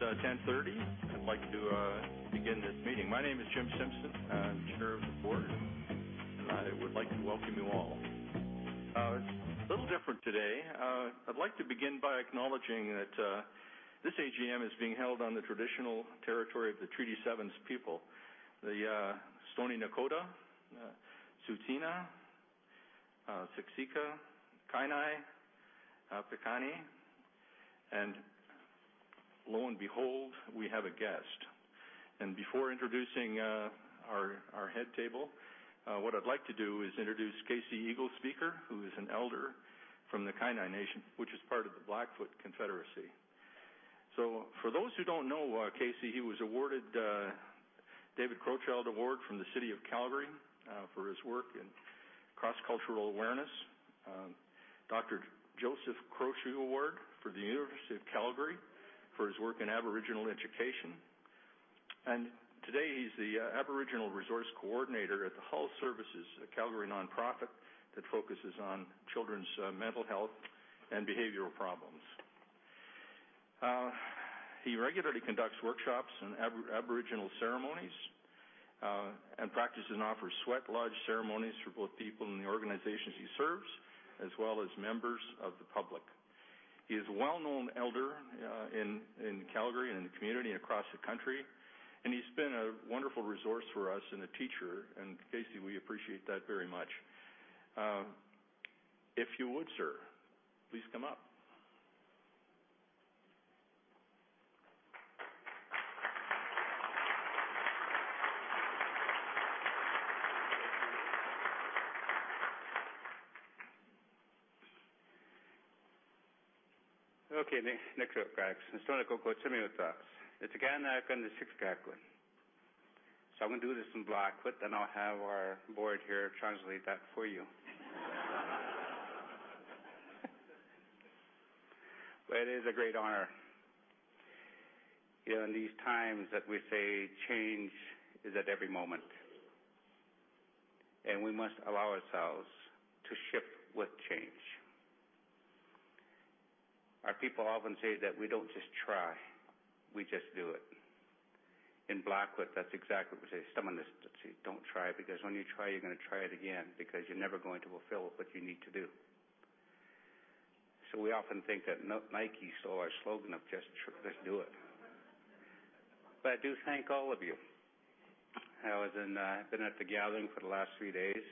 It's 10:30. I'd like to begin this meeting. My name is Jim Simpson. I'm Chair of the Board, I would like to welcome you all. It's a little different today. I'd like to begin by acknowledging that this AGM is being held on the traditional territory of the Treaty 7's people, the Stoney Nakoda, Tsuut'ina, Siksika, Kainai, Piikani, and lo and behold, we have a guest. Before introducing our head table, what I'd like to do is introduce Casey Eagle Speaker, who is an Elder from the Kainai Nation, which is part of the Blackfoot Confederacy. For those who don't know Casey, he was awarded David Crowchild Award from the City of Calgary, for his work in cross-cultural awareness, Dr. Joseph Crowshoe Award for the University of Calgary for his work in Aboriginal education. Today he's the Aboriginal resource coordinator at Hull Services, a Calgary nonprofit that focuses on children's mental health and behavioral problems. He regularly conducts workshops and Aboriginal ceremonies, practices and offers sweat lodge ceremonies for both people in the organizations he serves, as well as members of the public. He is a well-known Elder in Calgary and in the community and across the country, he's been a wonderful resource for us and a teacher, and Casey, we appreciate that very much. If you would, sir, please come up. Okay. I'm going to do this in Blackfoot, I'll have our board here translate that for you. It is a great honor. In these times that we say change is at every moment, we must allow ourselves to shift with change. Our people often say that we don't just try, we just do it. In Blackfoot, that's exactly what we say. Some say, "Don't try, because when you try, you're going to try it again, because you're never going to fulfill what you need to do." We often think that Nike stole our slogan of just do it. I do thank all of you. I was at the gathering for the last three days.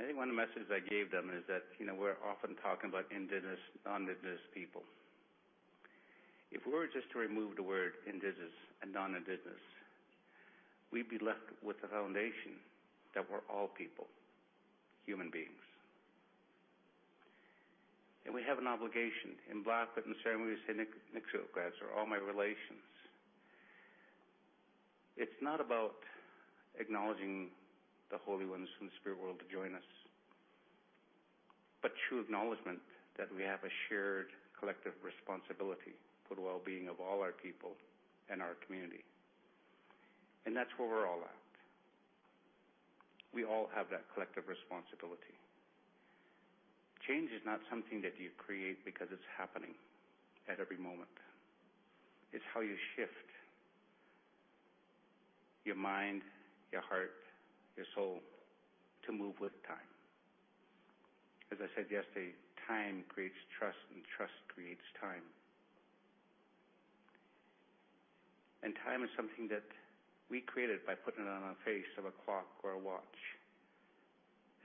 I think one of the messages I gave them is that, we're often talking about Indigenous, non-Indigenous people. If we were just to remove the word Indigenous and non-Indigenous, we'd be left with the foundation that we're all people, human beings. We have an obligation. In Blackfoot, in the ceremony, we say, or all my relations. It's not about acknowledging the holy ones from the spirit world to join us, but true acknowledgment that we have a shared collective responsibility for the wellbeing of all our people and our community. That's where we're all at. We all have that collective responsibility. Change is not something that you create because it's happening at every moment. It's how you shift your mind, your heart, your soul to move with time. As I said yesterday, time creates trust and trust creates time. Time is something that we created by putting it on a face of a clock or a watch.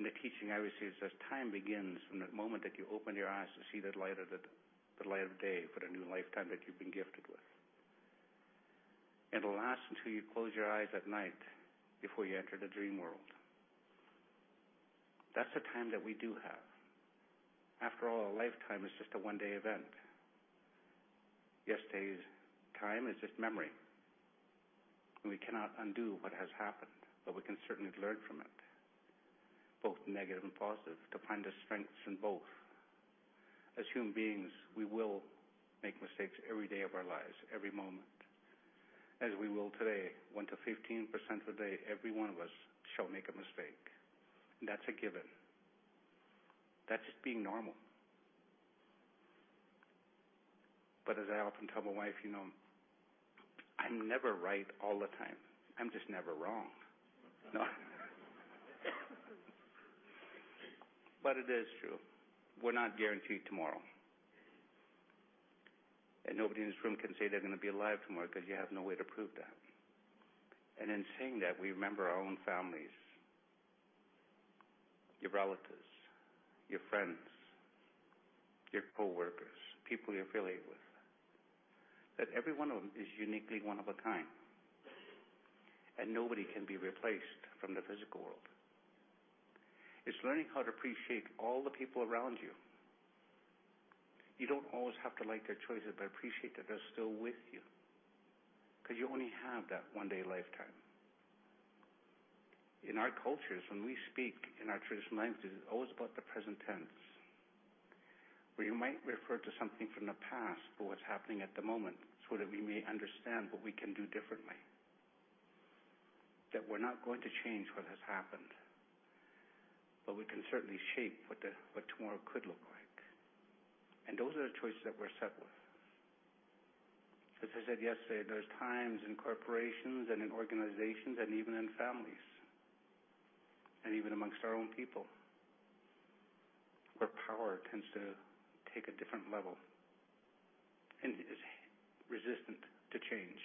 The teaching I received says time begins from the moment that you open your eyes to see the light of day for the new lifetime that you've been gifted with. It'll last until you close your eyes at night before you enter the dream world. That's the time that we do have. After all, a lifetime is just a one-day event. Yesterday's time is just memory, we cannot undo what has happened, but we can certainly learn from it, both negative and positive, to find the strengths in both. As human beings, we will make mistakes every day of our lives, every moment. As we will today, one-15% of the day, every one of us shall make a mistake. That's a given. That's just being normal. As I often tell my wife, I'm never right all the time. I'm just never wrong. It is true. We're not guaranteed tomorrow. Nobody in this room can say they're going to be alive tomorrow because you have no way to prove that. In saying that, we remember our own families, your relatives, your friends, your coworkers, people you're affiliated with. That every one of them is uniquely one of a kind, and nobody can be replaced from the physical world. It's learning how to appreciate all the people around you. You don't always have to like their choices, but appreciate that they're still with you, because you only have that one-day lifetime. In our cultures, when we speak in our traditional languages, it's always about the present tense, where you might refer to something from the past for what's happening at the moment, so that we may understand what we can do differently That we're not going to change what has happened, but we can certainly shape what tomorrow could look like. Those are the choices that we're set with. As I said yesterday, there's times in corporations and in organizations, and even in families, and even amongst our own people, where power tends to take a different level, and is resistant to change.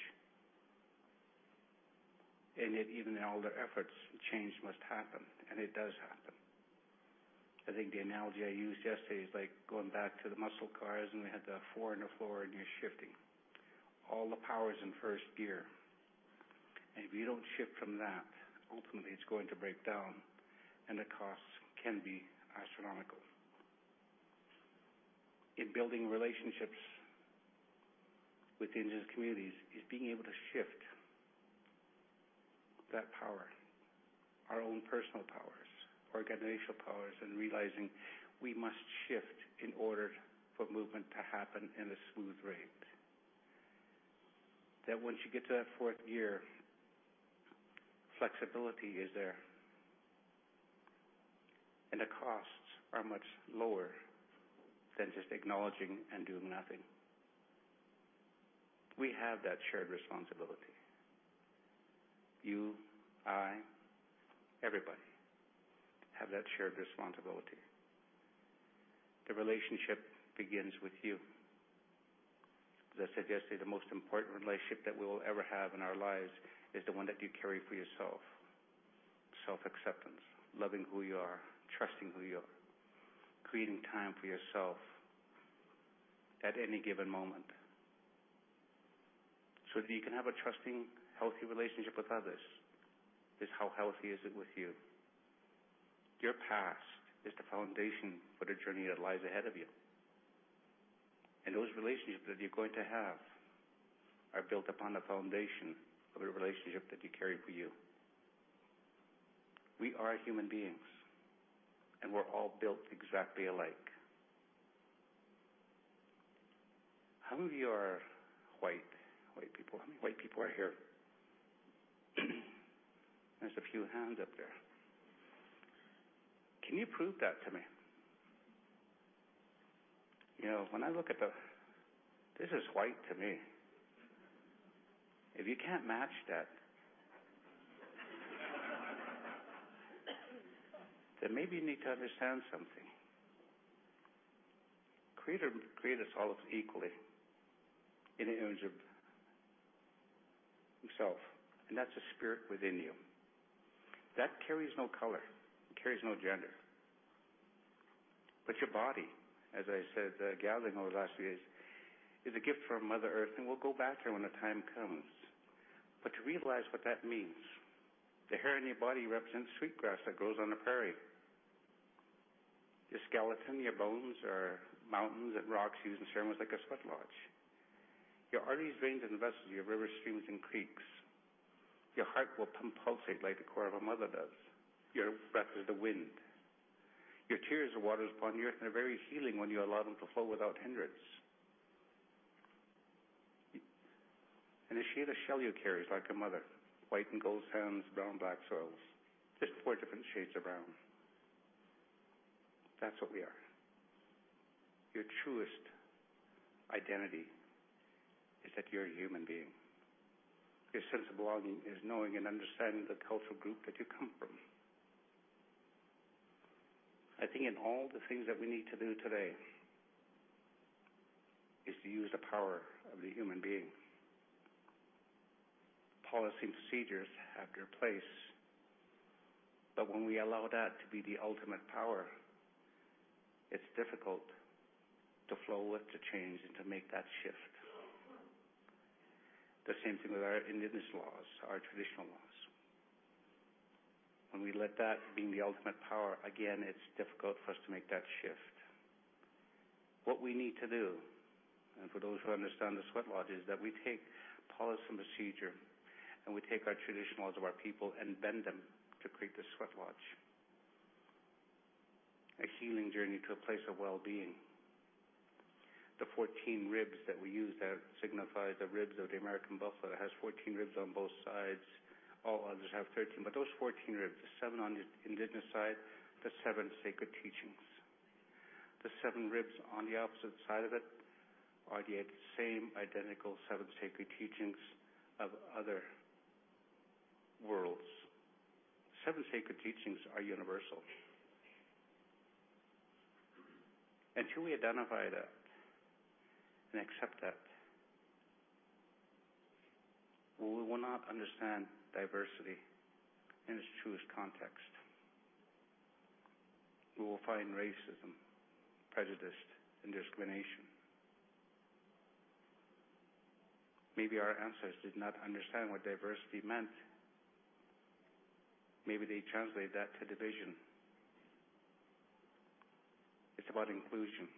Yet, even in all their efforts, change must happen, and it does happen. I think the analogy I used yesterday is like going back to the muscle cars, and we had the four on the floor and you're shifting. All the power is in first gear, and if you don't shift from that, ultimately it's going to break down and the costs can be astronomical. In building relationships with Indigenous communities, is being able to shift that power, our own personal powers, organizational powers, and realizing we must shift in order for movement to happen in a smooth rate. That once you get to that fourth gear, flexibility is there, and the costs are much lower than just acknowledging and doing nothing. We have that shared responsibility. You, I, everybody, have that shared responsibility. The relationship begins with you. As I said yesterday, the most important relationship that we will ever have in our lives is the one that you carry for yourself. Self-acceptance, loving who you are, trusting who you are, creating time for yourself at any given moment. That you can have a trusting, healthy relationship with others, is how healthy is it with you? Your past is the foundation for the journey that lies ahead of you. Those relationships that you're going to have are built upon the foundation of the relationship that you carry for you. We are human beings, and we're all built exactly alike. How many of you are white people? How many white people are here? There's a few hands up there. Can you prove that to me? This is white to me. If you can't match that, then maybe you need to understand something. Creator created us all equally in the image of himself, and that's the spirit within you. That carries no color, it carries no gender. Your body, as I said at the gathering over the last few days, is a gift from Mother Earth, and will go back to her when the time comes. To realize what that means, the hair on your body represents sweet grass that grows on a prairie. Your skeleton, your bones are mountains and rocks used in ceremonies like a sweat lodge. Your arteries, veins, and vessels are your rivers, streams, and creeks. Your heart will pump, pulsate, like the core of a mother does. Your breath is the wind. Your tears are waters upon the earth, and are very healing when you allow them to flow without hindrance. The shade of shell you carry is like a mother, white and gold sands, brown, black soils, just four different shades of brown. That's what we are. Your truest identity is that you're a human being. Your sense of belonging is knowing and understanding the cultural group that you come from. I think in all the things that we need to do today is to use the power of the human being. Policy and procedures have their place, but when we allow that to be the ultimate power, it's difficult to flow with the change and to make that shift. The same thing with our indigenous laws, our traditional laws. When we let that be the ultimate power, again, it's difficult for us to make that shift. What we need to do, for those who understand the sweat lodge, is that we take policy and procedure, we take our traditional laws of our people and bend them to create the sweat lodge. A healing journey to a place of wellbeing. The 14 ribs that we use that signify the ribs of the American buffalo that has 14 ribs on both sides, all others have 13. Those 14 ribs, the seven on the indigenous side, the seven sacred teachings. The seven ribs on the opposite side of it are the same identical seven sacred teachings of other worlds. Seven sacred teachings are universal. Until we identify that and accept that, we will not understand diversity in its truest context. We will find racism, prejudice, and discrimination. Maybe our ancestors did not understand what diversity meant. Maybe they translated that to division. It's about inclusion.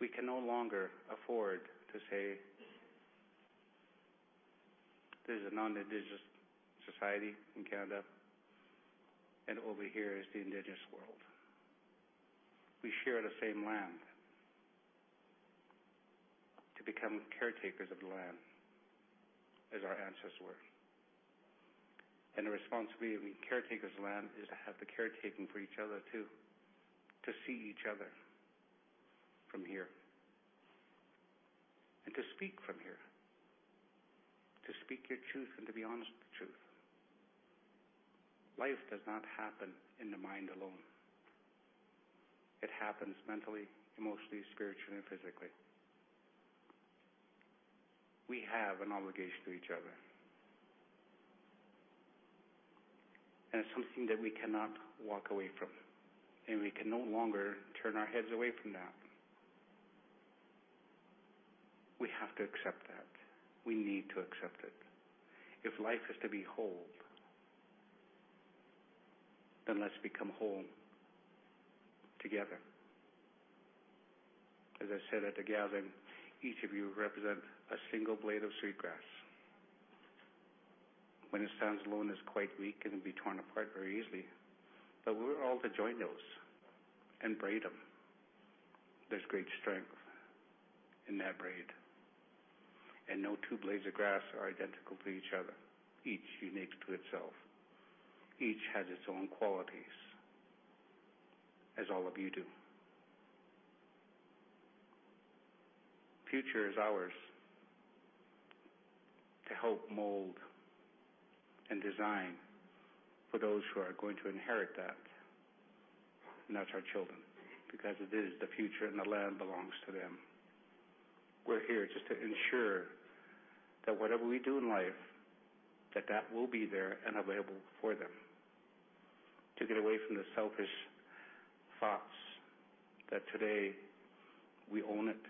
We can no longer afford to say there's a non-indigenous society in Canada, and over here is the indigenous world. We share the same land. To become caretakers of the land as our ancestors were. The responsibility of being caretakers of the land is to have the caretaking for each other, too. To see each other from here and to speak from here. To speak your truth and to be honest with the truth. Life does not happen in the mind alone. It happens mentally, emotionally, spiritually, and physically. We have an obligation to each other, and it's something that we cannot walk away from, and we can no longer turn our heads away from that. We have to accept that. We need to accept it. If life is to be whole, then let's become whole together. As I said at the gathering, each of you represent a single blade of sweetgrass. When it stands alone, it's quite weak and can be torn apart very easily, but we're all to join those and braid them. There's great strength in that braid. No two blades of grass are identical to each other, each unique to itself. Each has its own qualities, as all of you do. Future is ours to help mold and design for those who are going to inherit that, and that's our children. Because it is the future, and the land belongs to them. We're here just to ensure that whatever we do in life, that that will be there and available for them. To get away from the selfish thoughts that today we own it,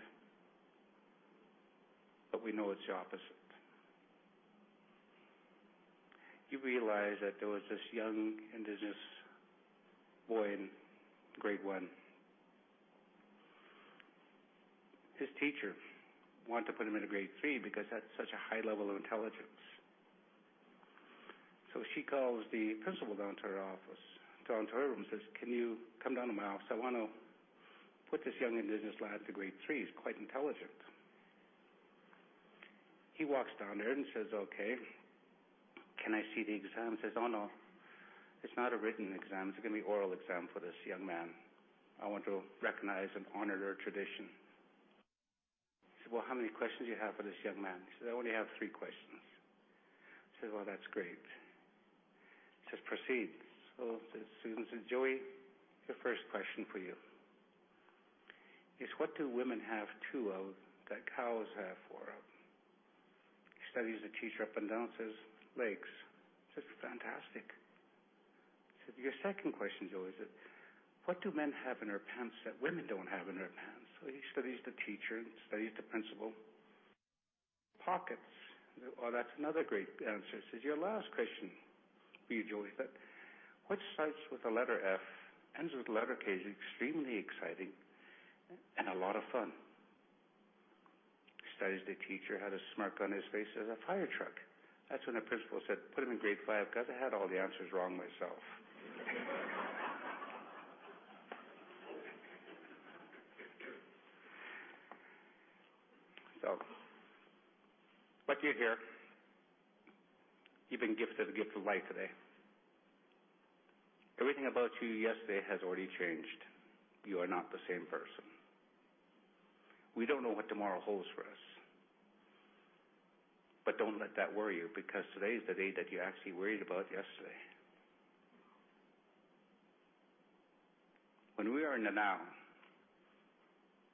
but we know it's the opposite. You realize that there was this young Indigenous boy in grade 1. His teacher wanted to put him into grade 3 because he had such a high level of intelligence. She calls the principal down to her room and says, "Can you come down to my office? I want to put this young Indigenous lad to grade 3. He's quite intelligent." He walks down there and says, "Okay, can I see the exam?" Says, "Oh, no, it's not a written exam. It's going to be an oral exam for this young man. I want to recognize and honor their tradition." He said, "How many questions do you have for this young man?" She said, "I only have three questions." He said, "That's great." Says, "Proceed." Susan says, "Joey, the first question for you is what do women have two of that cows have four of?" He studies the teacher up and down and says, "Legs." Says, "Fantastic." Said, "Your second question, Joey, is that what do men have in their pants that women don't have in their pants?" He studies the teacher and studies the principal. Pockets." "Oh, that's another great answer." Says, "Your last question for you, Joey, is that what starts with the letter F, ends with the letter K, is extremely exciting and a lot of fun?" He studies the teacher, had a smirk on his face, says, "A firetruck." That's when the principal said, "Put him in grade 5, because I had all the answers wrong myself." Lucky you here. You've been gifted the gift of life today. Everything about you yesterday has already changed. You are not the same person. We don't know what tomorrow holds for us. Don't let that worry you, because today is the day that you actually worried about yesterday. When we are in the now,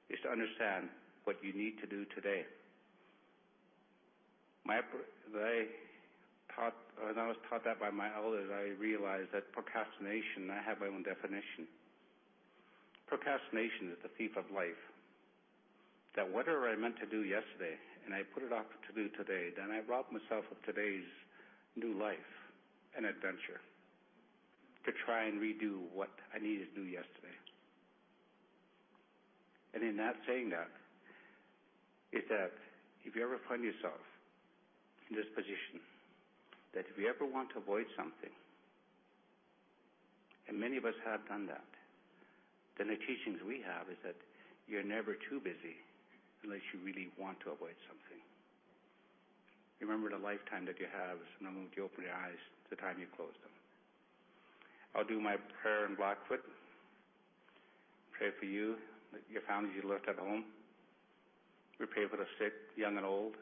is to understand what you need to do today. I was taught that by my elders. I realized that procrastination, I have my own definition. Procrastination is the thief of life. Whatever I meant to do yesterday, I put it off to do today, then I rob myself of today's new life and adventure to try and redo what I needed to do yesterday. In that saying that, if you ever find yourself in this position, if you ever want to avoid something, and many of us have done that, the teachings we have is that you're never too busy unless you really want to avoid something. Remember, the lifetime that you have is from the moment you open your eyes to the time you close them. I'll do my prayer in Blackfoot. Pray for you, your family you left at home. We pray for the sick, young and old.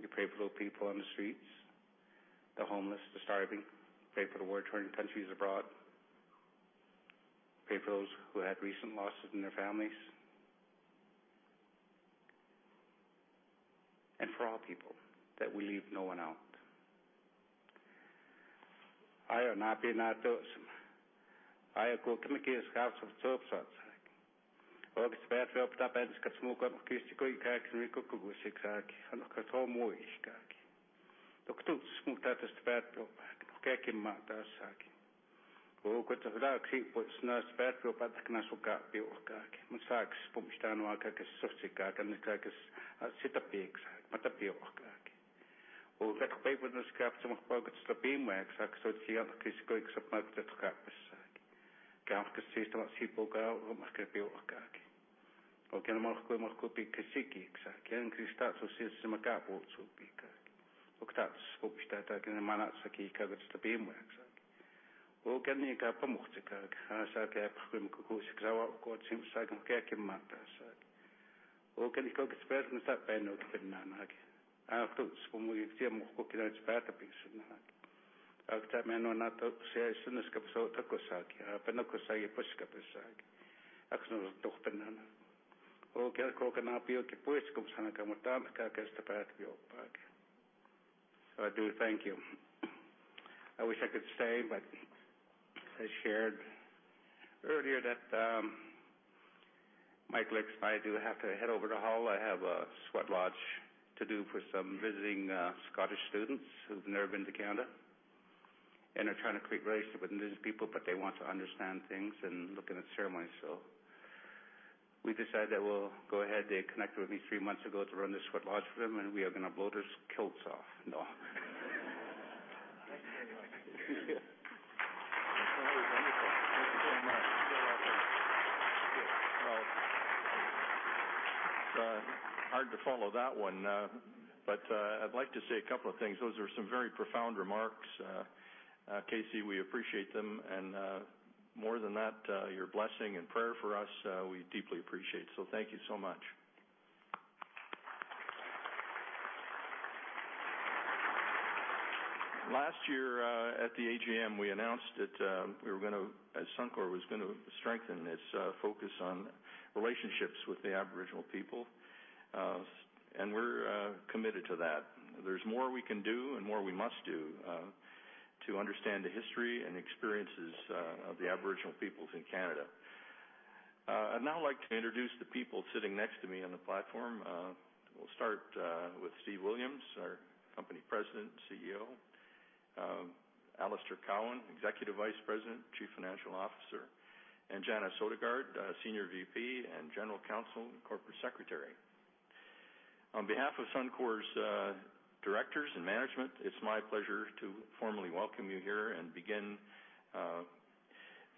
We pray for little people on the streets, the homeless, the starving. Pray for the war-torn countries abroad. Pray for those who had recent losses in their families, for all people, that we leave no one out. I do thank you. I wish I could stay, I shared earlier that Mark Little and I do have to head over to Hull. I have a sweat lodge to do for some visiting Scottish students who've never been to Canada, are trying to create relations with Indigenous people, but they want to understand things and look in at ceremonies. We decided that we'll go ahead. They connected with me three months ago to run the sweat lodge for them, we are going to blow their kilts off. No. Thank you very much. Yeah. That was wonderful. Thank you so much. You're welcome. It's hard to follow that one, I'd like to say a couple of things. Those are some very profound remarks, Casey, we appreciate them, and more than that, your blessing and prayer for us, we deeply appreciate, so thank you so much. Last year, at the AGM, we announced that Suncor was going to strengthen its focus on relationships with the Aboriginal people. We're committed to that. There's more we can do and more we must do to understand the history and experiences of the Aboriginal peoples in Canada. I'd now like to introduce the people sitting next to me on the platform. We'll start with Steve Williams, our company President, Chief Executive Officer; Alister Cowan, Executive Vice President, Chief Financial Officer; and Janice Odegaard, Senior VP and General Counsel, Corporate Secretary. On behalf of Suncor's directors and management, it's my pleasure to formally welcome you here and begin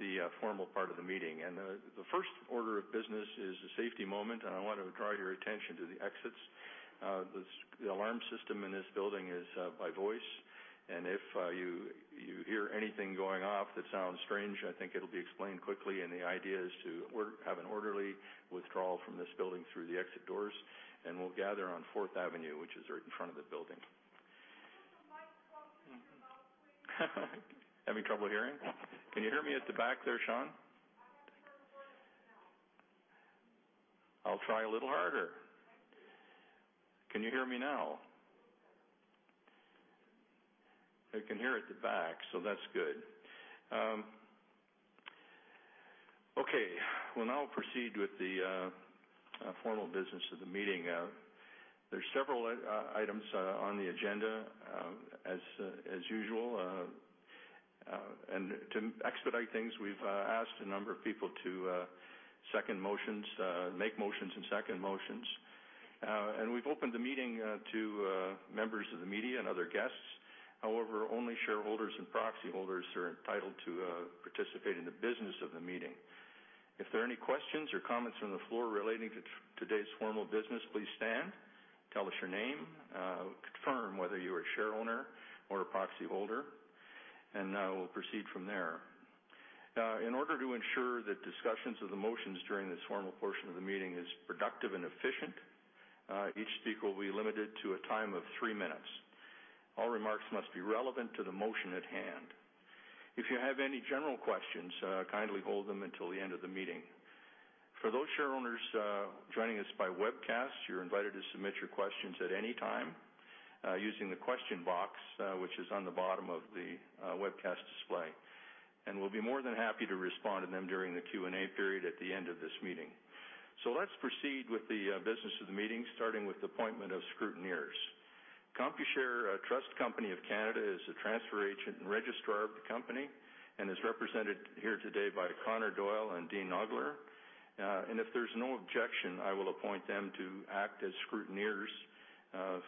the formal part of the meeting. The first order of business is a safety moment. I want to draw your attention to the exits. The alarm system in this building is by voice. If you hear anything going off that sounds strange, I think it'll be explained quickly. The idea is to have an orderly withdrawal from this building through the exit doors. We'll gather on 4th Avenue, which is right in front of the building. Can you put the mic closer to your mouth, please? Having trouble hearing? Can you hear me at the back there, Sean? I haven't heard a word up to now. I'll try a little harder. Thank you. Can you hear me now? Better. They can hear at the back, that's good. We'll now proceed with the formal business of the meeting. There's several items on the agenda as usual. To expedite things, we've asked a number of people to make motions and second motions. We've opened the meeting to members of the media and other guests. However, only shareholders and proxy holders are entitled to participate in the business of the meeting. If there are any questions or comments from the floor relating to today's formal business, please stand, tell us your name, confirm whether you're a share owner or a proxy holder, and we'll proceed from there. In order to ensure that discussions of the motions during this formal portion of the meeting is productive and efficient, each speaker will be limited to a time of three minutes. All remarks must be relevant to the motion at hand. If you have any general questions, kindly hold them until the end of the meeting. For those share owners joining us by webcast, you're invited to submit your questions at any time using the question box which is on the bottom of the webcast display. We'll be more than happy to respond to them during the Q&A period at the end of this meeting. Let's proceed with the business of the meeting, starting with the appointment of scrutineers. Computershare Trust Company of Canada is the transfer agent and registrar of the company and is represented here today by Connor Doyle and Dean Ogler. If there's no objection, I will appoint them to act as scrutineers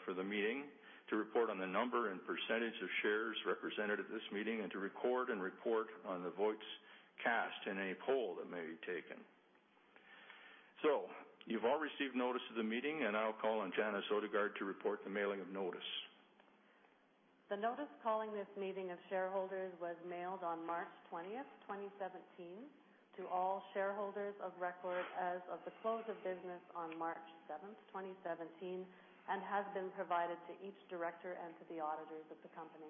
for the meeting to report on the number and percentage of shares represented at this meeting and to record and report on the votes cast in any poll that may be taken. You've all received notice of the meeting, and I'll call on Janice Odegaard to report the mailing of notice. The notice calling this meeting of shareholders was mailed on March 20th, 2017, to all shareholders of record as of the close of business on March 7th, 2017, and has been provided to each director and to the auditors of the company.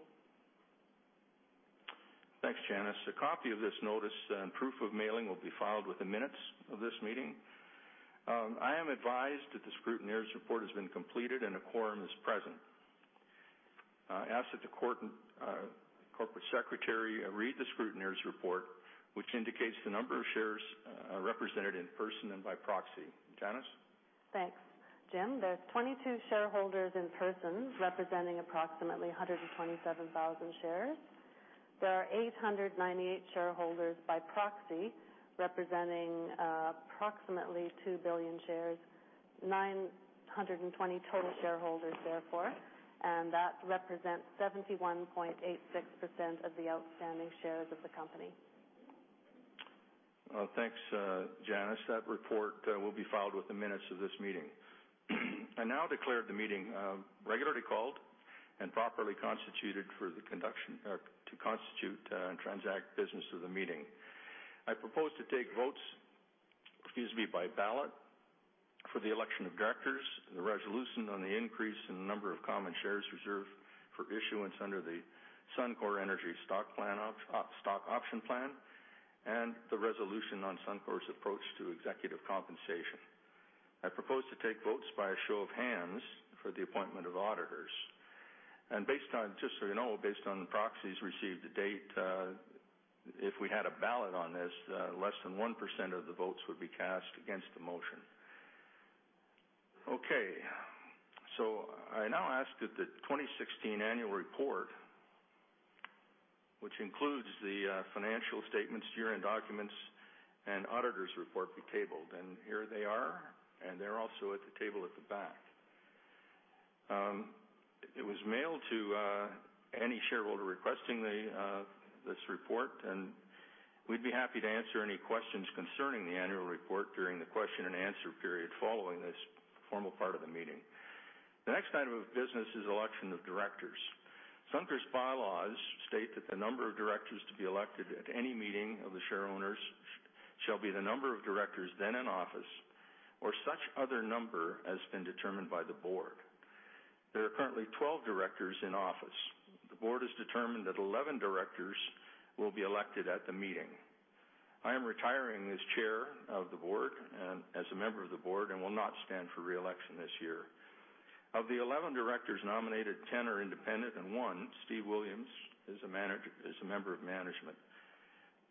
Thanks, Janice. A copy of this notice and proof of mailing will be filed with the minutes of this meeting. I am advised that the scrutineer's report has been completed and a quorum is present. I ask that the corporate secretary read the scrutineer's report, which indicates the number of shares represented in person and by proxy. Janice? Thanks, Jim. There's 22 shareholders in person representing approximately 127,000 shares. There are 898 shareholders by proxy, representing approximately 2 billion shares, 920 total shareholders therefore. That represents 71.86% of the outstanding shares of the company. Well, thanks, Janice. That report will be filed with the minutes of this meeting. I now declare the meeting regularly called and properly constituted to constitute and transact business of the meeting. I propose to take votes by ballot for the election of directors, the resolution on the increase in the number of common shares reserved for issuance under the Suncor Energy stock option plan, and the resolution on Suncor's approach to executive compensation. I propose to take votes by a show of hands for the appointment of auditors. Just so you know, based on the proxies received to date, if we had a ballot on this, less than 1% of the votes would be cast against the motion. Okay. I now ask that the 2016 annual report, which includes the financial statements, year-end documents, and auditor's report be tabled. Here they are, they're also at the table at the back. It was mailed to any shareholder requesting this report, we'd be happy to answer any questions concerning the annual report during the question and answer period following this formal part of the meeting. The next item of business is election of directors. Suncor's bylaws state that the number of directors to be elected at any meeting of the share owners shall be the number of directors then in office or such other number as has been determined by the Board. There are currently 12 directors in office. The Board has determined that 11 directors will be elected at the meeting. I am retiring as Chair of the Board and as a member of the Board, will not stand for re-election this year. Of the 11 directors nominated, 10 are independent and one, Steve Williams, is a member of management.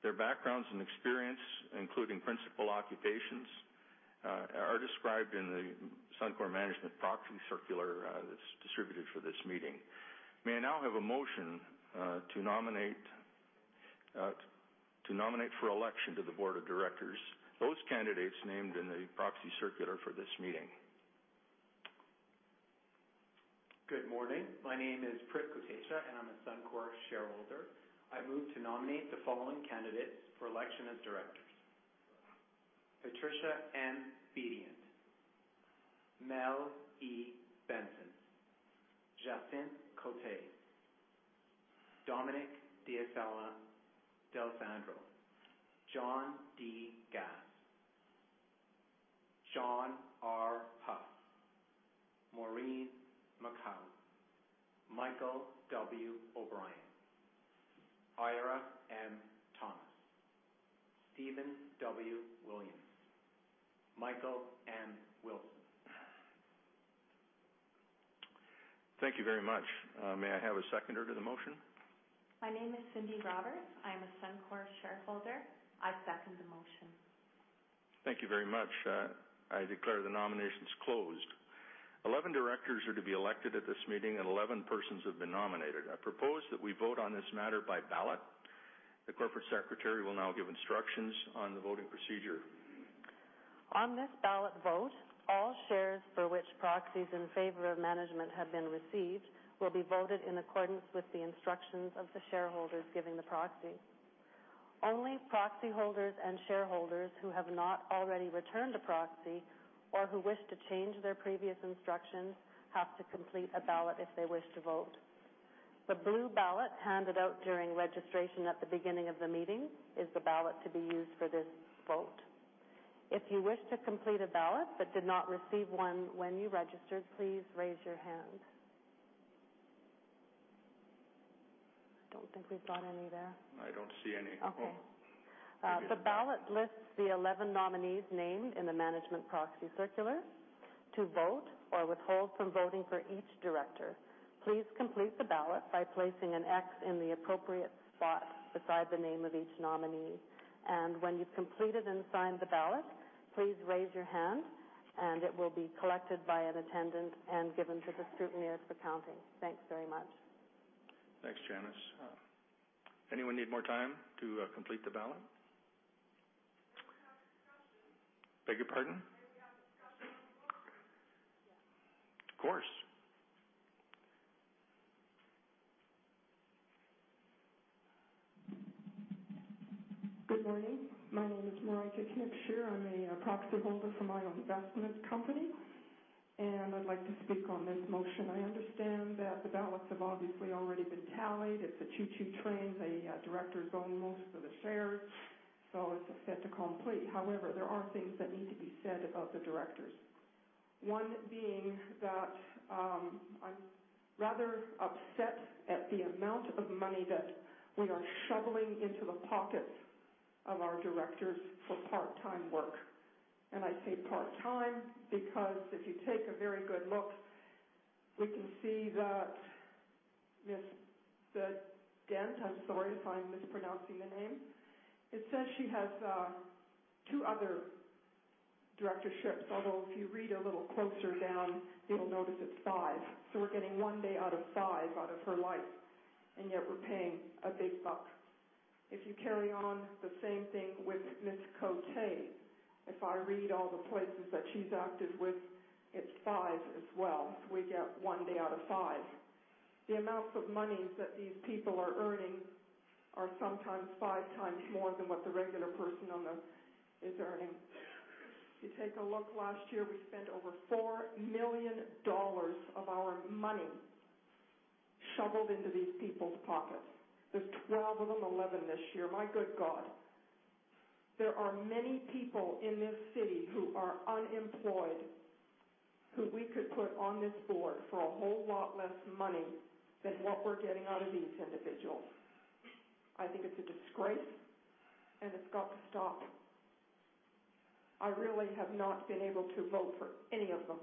Their backgrounds and experience, including principal occupations, are described in the Suncor management proxy circular that's distributed for this meeting. May I now have a motion to nominate for election to the Board of Directors those candidates named in the proxy circular for this meeting. Good morning. My name is Prit Kotesha, I'm a Suncor shareholder. I move to nominate the following candidates for election as directors: Patricia M. Bedient, Mel E. Benson, Jacynthe Côté, Dominic D'Alessandro, John D. Gass, John R. Huff, Maureen McCaw, Michael W. O'Brien, Eira M. Thomas, Steven W. Williams, Michael M. Wilson. Thank you very much. May I have a seconder to the motion? My name is Cindy Roberts. I am a Suncor shareholder. I second the motion. Thank you very much. I declare the nominations closed. 11 directors are to be elected at this meeting, and 11 persons have been nominated. I propose that we vote on this matter by ballot. The Corporate Secretary will now give instructions on the voting procedure. On this ballot vote, all shares for which proxies in favor of management have been received will be voted in accordance with the instructions of the shareholders giving the proxy. Only proxy holders and shareholders who have not already returned a proxy or who wish to change their previous instructions have to complete a ballot if they wish to vote. The blue ballot handed out during registration at the beginning of the meeting is the ballot to be used for this vote. If you wish to complete a ballot but did not receive one when you registered, please raise your hand. I don't think we've got any there. I don't see any. Okay. Maybe in the back. The ballot lists the 11 nominees named in the Management Proxy Circular. To vote or withhold from voting for each director, please complete the ballot by placing an X in the appropriate spot beside the name of each nominee. When you've completed and signed the ballot, please raise your hand and it will be collected by an attendant and given to the scrutineers for counting. Thanks very much. Thanks, Janice. Anyone need more time to complete the ballot? May we have a discussion? Beg your pardon? May we have a discussion on the board members? Yes. Of course. Good morning. My name is Marijke Knibscheer. I'm a proxy holder for my own investment company. I'd like to speak on this motion. I understand that the ballots have obviously already been tallied. It's a choo-choo train. The directors own most of the shares. It's a fait accompli. There are things that need to be said about the directors. One being that I'm rather upset at the amount of money that we are shoveling into the pockets of our directors for part-time work. I say part-time because if you take a very good look, we can see that Ms. Bedient, I'm sorry if I'm mispronouncing the name. It says she has two other directorships. If you read a little closer down, you'll notice it's five. We're getting one day out of five out of her life, and yet we're paying big bucks. If you carry on, the same thing with Ms. Côté. If I read all the places that she's active with, it's five as well. We get one day out of five. The amounts of money that these people are earning are sometimes five times more than what the regular person is earning. If you take a look, last year, we spent over 4 million dollars of our money shoveled into these people's pockets. There's 12 of them, 11 this year. My good God. There are many people in this city who are unemployed, who we could put on this board for a whole lot less money than what we're getting out of these individuals. I think it's a disgrace, and it's got to stop. I really have not been able to vote for any of them.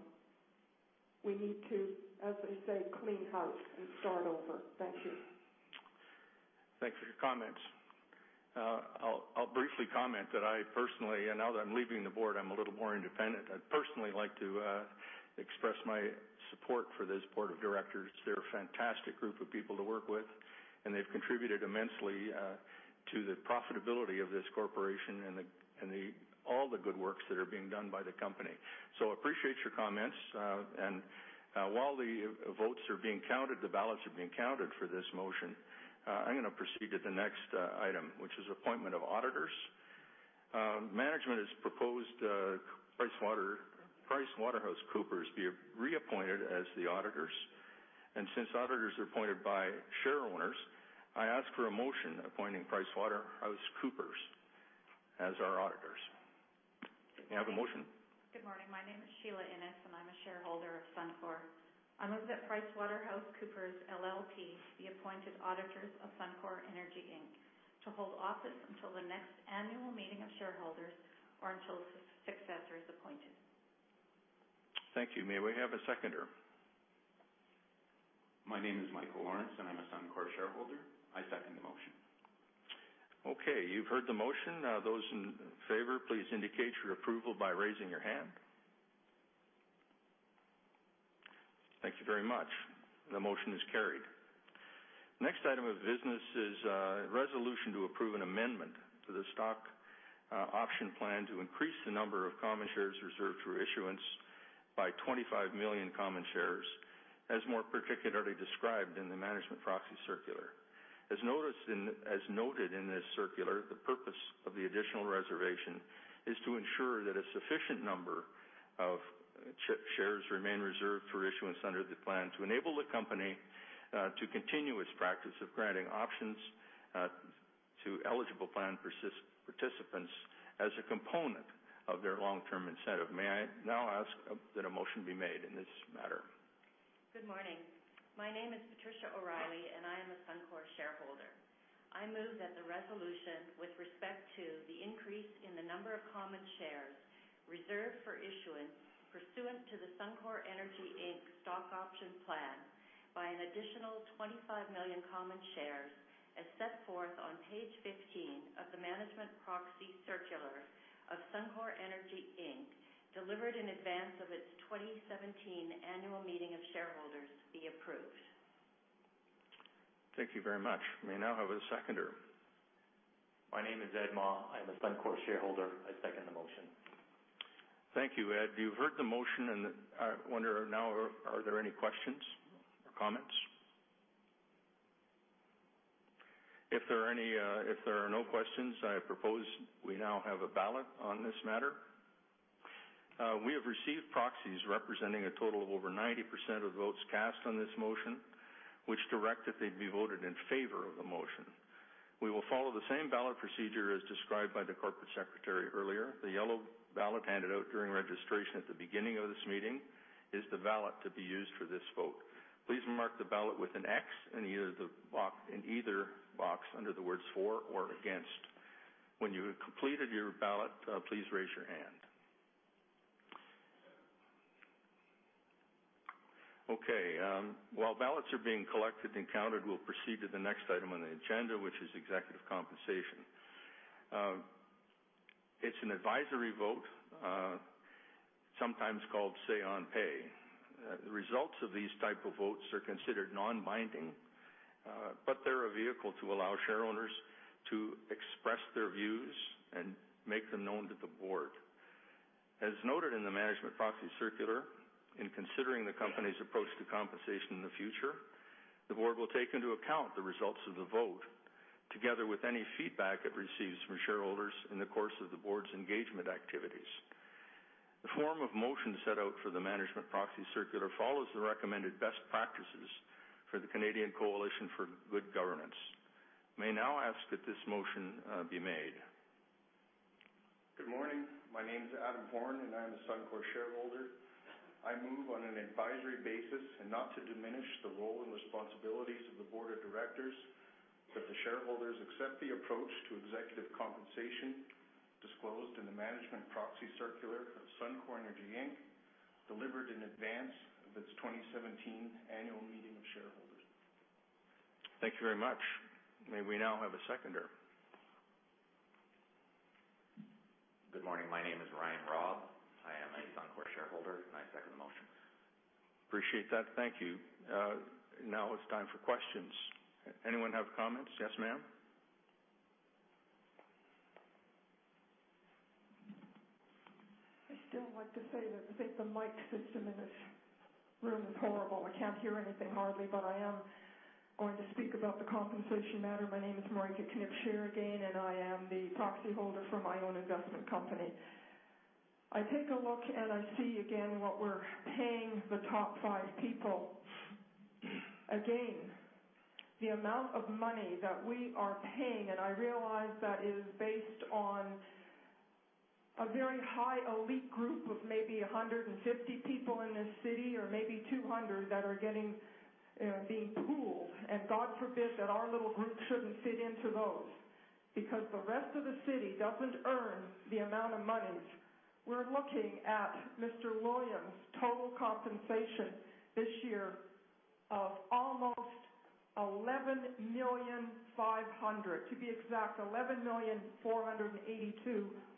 We need to, as they say, clean house and start over. Thank you. Thanks for your comments. I'll briefly comment that I personally, and now that I'm leaving the board, I'm a little more independent. I'd personally like to express my support for this board of directors. They're a fantastic group of people to work with, and they've contributed immensely to the profitability of this corporation and all the good works that are being done by the company. Appreciate your comments. While the votes are being counted, the ballots are being counted for this motion, I'm going to proceed to the next item, which is appointment of auditors. Management has proposed PricewaterhouseCoopers be reappointed as the auditors. Since auditors are appointed by share owners, I ask for a motion appointing PricewaterhouseCoopers as our auditors. May I have a motion? Good morning. My name is Sheila Innes, and I'm a shareholder of Suncor. I move that PricewaterhouseCoopers LLP be appointed auditors of Suncor Energy Inc. to hold office until the next annual meeting of shareholders or until a successor is appointed. Thank you. May we have a seconder? My name is Michael Lawrence, and I'm a Suncor shareholder. I second the motion. Okay. You've heard the motion. Those in favor, please indicate your approval by raising your hand. Thank you very much. The motion is carried. Next item of business is a resolution to approve an amendment to the Stock Option Plan to increase the number of common shares reserved for issuance by 25 million common shares, as more particularly described in the management proxy circular. As noted in this circular, the purpose of the additional reservation is to ensure that a sufficient number of shares remain reserved for issuance under the plan to enable the company to continue its practice of granting options to eligible plan participants as a component of their long-term incentive. May I now ask that a motion be made in this matter? Good morning. My name is Patricia O'Reilly, and I am a Suncor shareholder. I move that the resolution with respect to the increase in the number of common shares reserved for issuance pursuant to the Suncor Energy Inc. Stock Option Plan by an additional 25 million common shares, as set forth on page 15 of the management proxy circular of Suncor Energy Inc. delivered in advance of its 2017 annual meeting of shareholders be approved. Thank you very much. May I now have a seconder? My name is Ed Ma. I am a Suncor shareholder. I second the motion. Thank you, Ed. You've heard the motion. I wonder now, are there any questions or comments? If there are no questions, I propose we now have a ballot on this matter. We have received proxies representing a total of over 90% of votes cast on this motion, which direct that they be voted in favor of the motion. We will follow the same ballot procedure as described by the Corporate Secretary earlier. The yellow ballot handed out during registration at the beginning of this meeting is the ballot to be used for this vote. Please mark the ballot with an X in either box under the words for or against. When you have completed your ballot, please raise your hand. Okay. While ballots are being collected and counted, we'll proceed to the next item on the agenda, which is executive compensation. It's an advisory vote, sometimes called say on pay. The results of these type of votes are considered non-binding. They're a vehicle to allow share owners to express their views and make them known to the board. As noted in the management proxy circular, in considering the company's approach to compensation in the future, the board will take into account the results of the vote together with any feedback it receives from shareholders in the course of the board's engagement activities. The form of motion set out for the management proxy circular follows the recommended best practices for the Canadian Coalition for Good Governance. May I now ask that this motion be made? Good morning. My name's Adam Horne. I am a Suncor shareholder. I move on an advisory basis, not to diminish the role and responsibilities of the board of directors, that the shareholders accept the approach to executive compensation disclosed in the management proxy circular of Suncor Energy Inc. delivered in advance of its 2017 annual meeting of shareholders. Thank you very much. May we now have a seconder? Good morning. My name is Ryan Robb. I am a Suncor shareholder. I second the motion. Appreciate that. Thank you. Now it's time for questions. Anyone have comments? Yes, ma'am. I still would like to say that I think the mic system in this room is horrible. I can't hear anything hardly. I am going to speak about the compensation matter. My name is Marijke Knibscheer again. I am the proxy holder for my own investment company. I take a look. I see again what we're paying the top five people. Again, the amount of money that we are paying. I realize that is based on a very high elite group of maybe 150 people in this city or maybe 200 that are being pooled. God forbid that our little group shouldn't fit into those, because the rest of the city doesn't earn the amount of monies. We're looking at Mr. Williams' total compensation this year of almost 11,000,500, to be exact, 11,000,482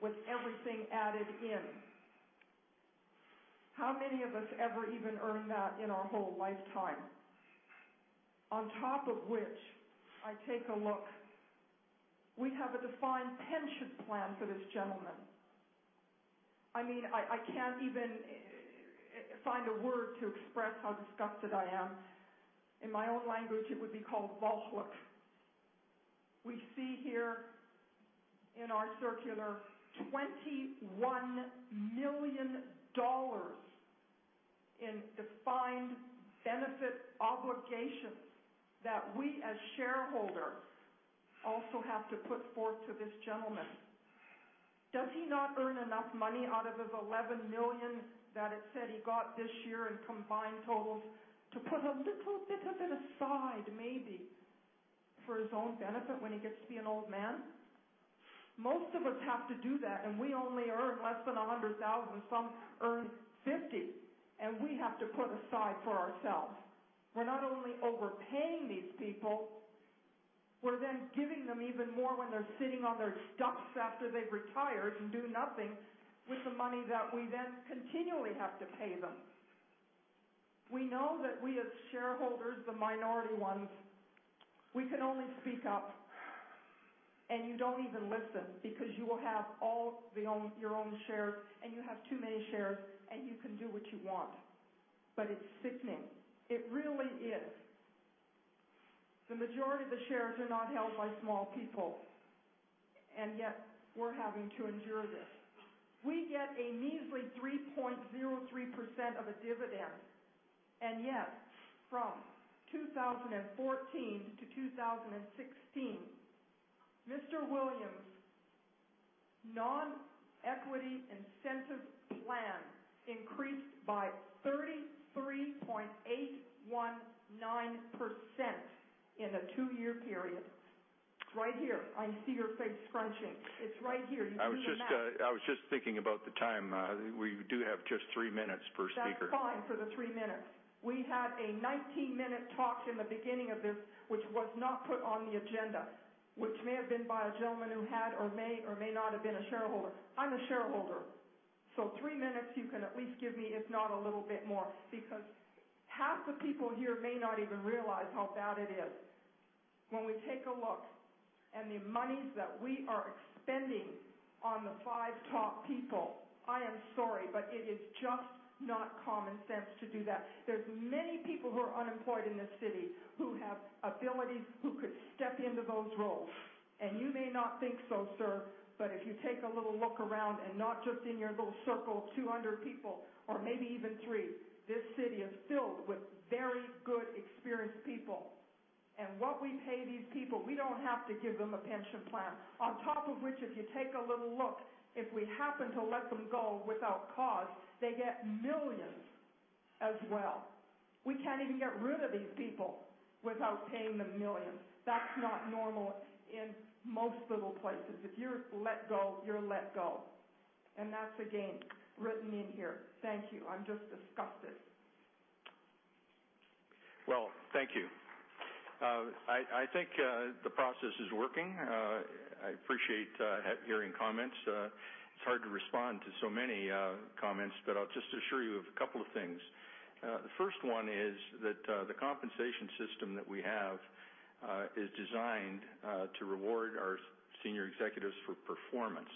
with everything added in. How many of us ever even earn that in our whole lifetime? On top of which, I take a look. We have a defined pension plan for this gentleman. I can't even find a word to express how disgusted I am. In my own language, it would be called wuchlak. We see here in our circular, 21 million dollars in defined benefit obligations that we, as shareholders, also have to put forth to this gentleman. Does he not earn enough money out of his 11 million that it said he got this year in combined totals to put a little bit of it aside, maybe, for his own benefit when he gets to be an old man? Most of us have to do that, and we only earn less than 100,000. Some earn 50, and we have to put aside for ourselves. We're not only overpaying these people, we're giving them even more when they're sitting on their stumps after they've retired and do nothing with the money that we then continually have to pay them. We know that we as shareholders, the minority ones, we can only speak up. You don't even listen because you will have all your own shares, and you have too many shares, and you can do what you want. It's sickening. It really is. The majority of the shares are not held by small people, and yet we're having to endure this. We get a measly 3.03% of a dividend, and yet from 2014 to 2016, Mr. Williams' non-equity incentive plan increased by 33.819% in a two-year period. Right here, I see your face scrunching. It's right here. You do the math. I was just thinking about the time. We do have just three minutes per speaker. That's fine for the three minutes. We had a 19-minute talk in the beginning of this, which was not put on the agenda, which may have been by a gentleman who had or may or may not have been a shareholder. I'm a shareholder. Three minutes you can at least give me, if not a little bit more, because half the people here may not even realize how bad it is. When we take a look and the monies that we are expending on the five top people, I am sorry, it is just not common sense to do that. There's many people who are unemployed in this city who have abilities who could step into those roles. You may not think so, sir, but if you take a little look around and not just in your little circle of 200 people, or maybe even three, this city is filled with very good, experienced people. What we pay these people, we don't have to give them a pension plan. On top of which, if you take a little look, if we happen to let them go without cause, they get millions as well. We can't even get rid of these people without paying them millions. That's not normal in most little places. If you're let go, you're let go. That's again written in here. Thank you. I'm just disgusted. Thank you. I think the process is working. I appreciate hearing comments. It's hard to respond to so many comments, I'll just assure you of a couple of things. The first one is that the compensation system that we have is designed to reward our senior executives for performance.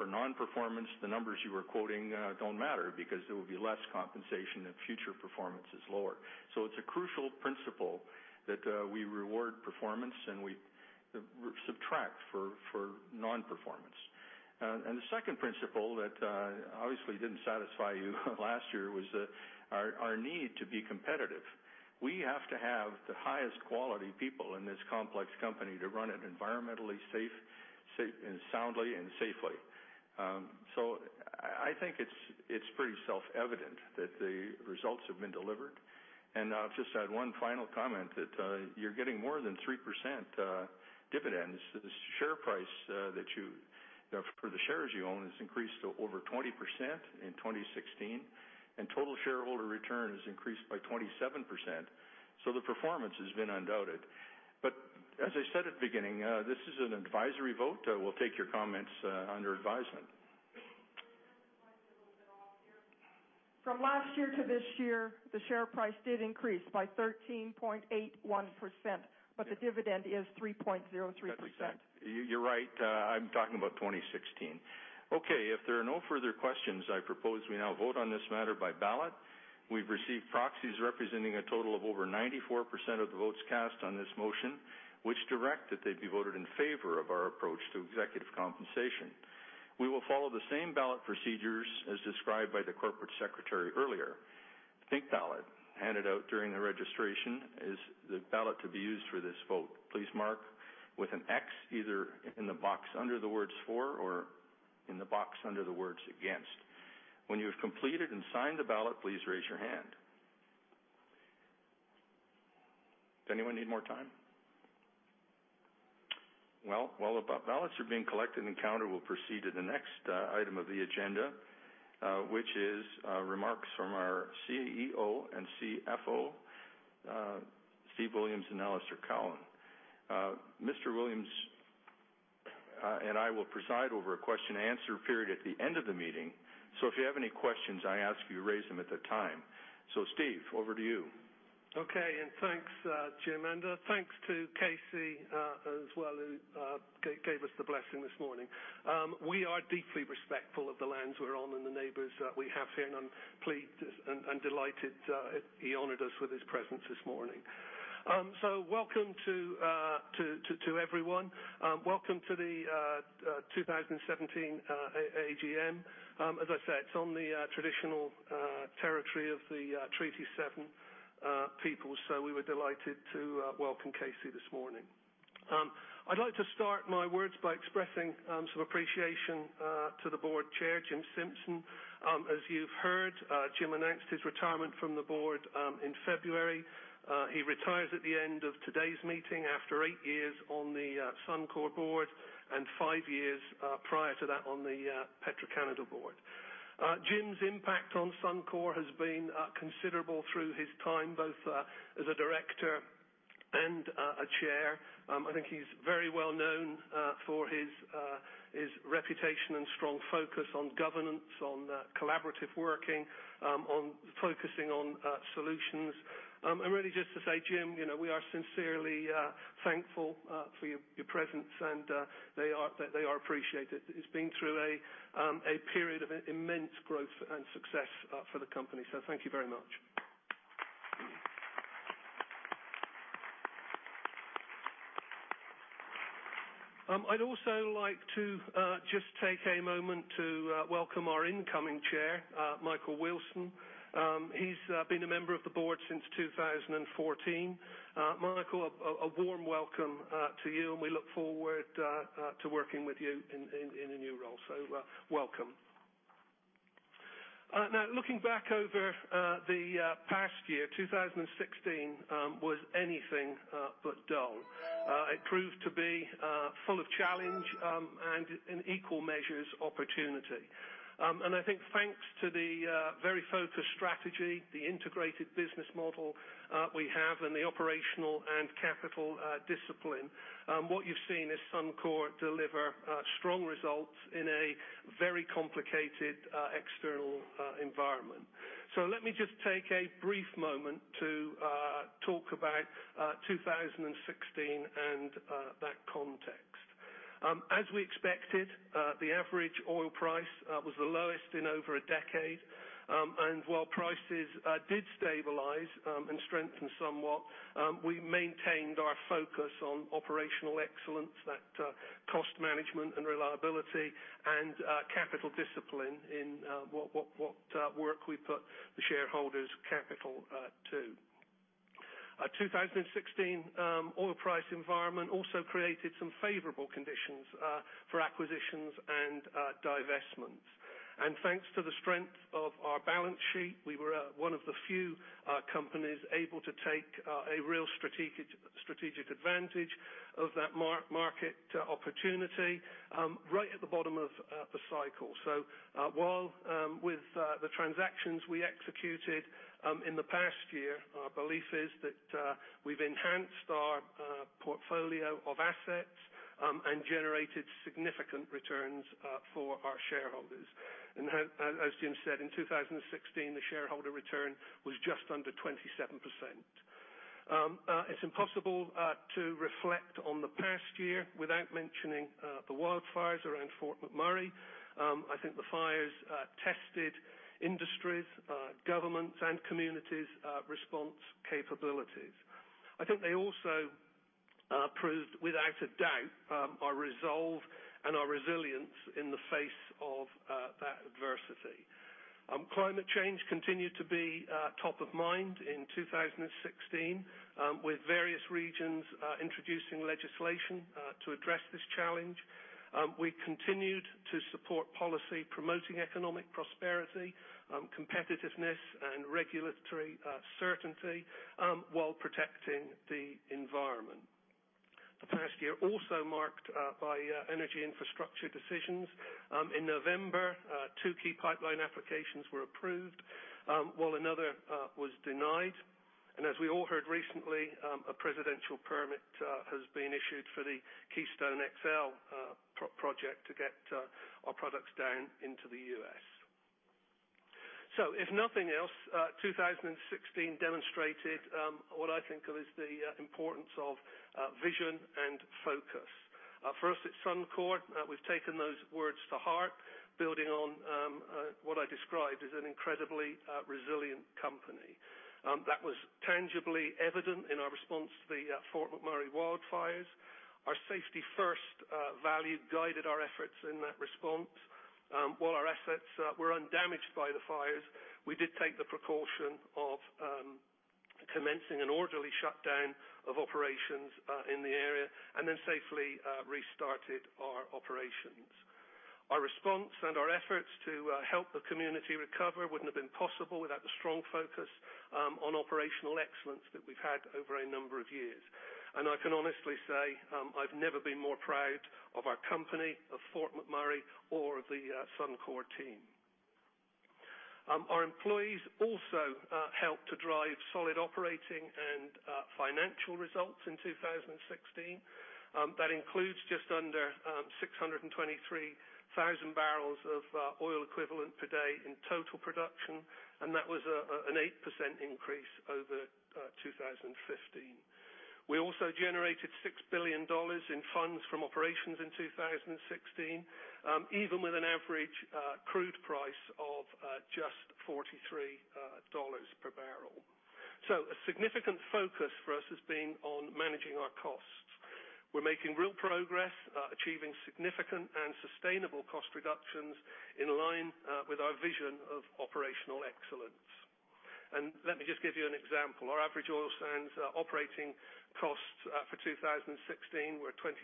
For non-performance, the numbers you were quoting don't matter because there will be less compensation if future performance is lower. It's a crucial principle that we reward performance and we subtract for non-performance. The second principle that obviously didn't satisfy you last year was our need to be competitive. We have to have the highest quality people in this complex company to run it environmentally soundly and safely. I think it's pretty self-evident that the results have been delivered. I'll just add one final comment that you're getting more than 3% dividends. The share price for the shares you own has increased to over 20% in 2016, total shareholder return has increased by 27%. The performance has been undoubted. As I said at the beginning, this is an advisory vote. We'll take your comments under advisement. The share price is a little bit off here. From last year to this year, the share price did increase by 13.81%, the dividend is 3.03%. You're right. I'm talking about 2016. If there are no further questions, I propose we now vote on this matter by ballot. We've received proxies representing a total of over 94% of the votes cast on this motion, which direct that they be voted in favor of our approach to executive compensation. We will follow the same ballot procedures as described by the Corporate Secretary earlier. The pink ballot handed out during the registration is the ballot to be used for this vote. Please mark with an X either in the box under the words "for" or in the box under the words "against." When you have completed and signed the ballot, please raise your hand. Does anyone need more time? While the ballots are being collected and counted, we'll proceed to the next item of the agenda, which is remarks from our CEO and CFO, Steven Williams and Alister Cowan. Mr. Williams and I will preside over a question and answer period at the end of the meeting. If you have any questions, I ask you raise them at the time. Steve, over to you. Thanks, Jim, and thanks to Casey as well, who gave us the blessing this morning. We are deeply respectful of the lands we're on and the neighbors that we have here, and I'm pleased and delighted he honored us with his presence this morning. Welcome to everyone. Welcome to the 2017 AGM. As I say, it's on the traditional territory of the Treaty 7 peoples, we were delighted to welcome Casey this morning. I'd like to start my words by expressing some appreciation to the Board Chair, Jim Simpson. As you've heard, Jim announced his retirement from the board in February. He retires at the end of today's meeting after eight years on the Suncor board and five years prior to that on the Petro-Canada board. Jim's impact on Suncor has been considerable through his time, both as a director and a chair. I think he's very well known for his reputation and strong focus on governance, on collaborative working, on focusing on solutions. Really just to say, Jim, we are sincerely thankful for your presence, and they are appreciated. It's been through a period of immense growth and success for the company. Thank you very much. I'd also like to just take a moment to welcome our incoming Chair, Michael Wilson. He's been a member of the board since 2014. Michael, a warm welcome to you, and we look forward to working with you in the new role. Welcome. Looking back over the past year, 2016 was anything but dull. It proved to be full of challenge and, in equal measures, opportunity. I think thanks to the very focused strategy, the integrated business model we have, and the operational and capital discipline, what you've seen is Suncor deliver strong results in a very complicated external environment. Let me just take a brief moment to talk about 2016 and that context. As we expected, the average oil price was the lowest in over a decade. While prices did stabilize and strengthen somewhat, we maintained our focus on operational excellence, that cost management and reliability, and capital discipline in what work we put the shareholders' capital to. 2016 oil price environment also created some favorable conditions for acquisitions and divestments. Thanks to the strength of our balance sheet, we were one of the few companies able to take a real strategic advantage of that market opportunity right at the bottom of the cycle. While with the transactions we executed in the past year, our belief is that we've enhanced our portfolio of assets and generated significant returns for our shareholders. As Jim said, in 2016, the shareholder return was just under 27%. It's impossible to reflect on the past year without mentioning the wildfires around Fort McMurray. I think the fires tested industries, governments, and communities' response capabilities. I think they also proved without a doubt our resolve and our resilience in the face of that adversity. Climate change continued to be top of mind in 2016, with various regions introducing legislation to address this challenge. We continued to support policy promoting economic prosperity, competitiveness, and regulatory certainty while protecting the environment. Last year also marked by energy infrastructure decisions. In November, two key pipeline applications were approved, while another was denied. As we all heard recently, a presidential permit has been issued for the Keystone XL project to get our products down into the U.S. If nothing else, 2016 demonstrated what I think of as the importance of vision and focus. For us at Suncor, we've taken those words to heart, building on what I described as an incredibly resilient company. That was tangibly evident in our response to the Fort McMurray wildfires. Our safety-first value guided our efforts in that response. While our assets were undamaged by the fires, we did take the precaution of commencing an orderly shutdown of operations in the area, then safely restarted our operations. Our response and our efforts to help the community recover wouldn't have been possible without the strong focus on operational excellence that we've had over a number of years. I can honestly say, I've never been more proud of our company, of Fort McMurray, or of the Suncor team. Our employees also helped to drive solid operating and financial results in 2016. That includes just under 623,000 barrels of oil equivalent per day in total production, that was an 8% increase over 2015. We also generated 6 billion dollars in funds from operations in 2016, even with an average crude price of just 43 dollars per barrel. A significant focus for us has been on managing our costs. We're making real progress, achieving significant and sustainable cost reductions in line with our vision of operational excellence. Let me just give you an example. Our average oil sands operating costs for 2016 were 26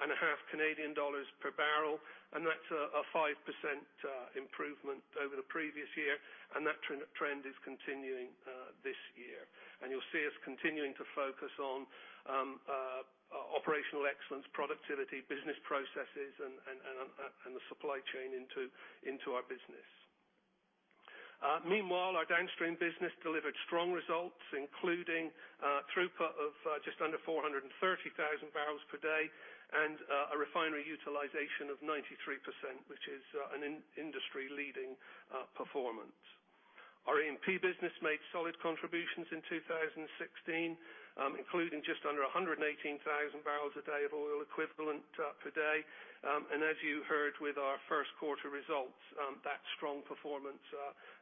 and a half Canadian dollars per barrel, that's a 5% improvement over the previous year, and that trend is continuing this year. You'll see us continuing to focus on operational excellence, productivity, business processes, and the supply chain into our business. Meanwhile, our Downstream business delivered strong results, including throughput of just under 430,000 barrels per day and a refinery utilization of 93%, which is an industry-leading performance. Our E&P business made solid contributions in 2016, including just under 118,000 barrels a day of oil equivalent per day. As you heard with our first quarter results, that strong performance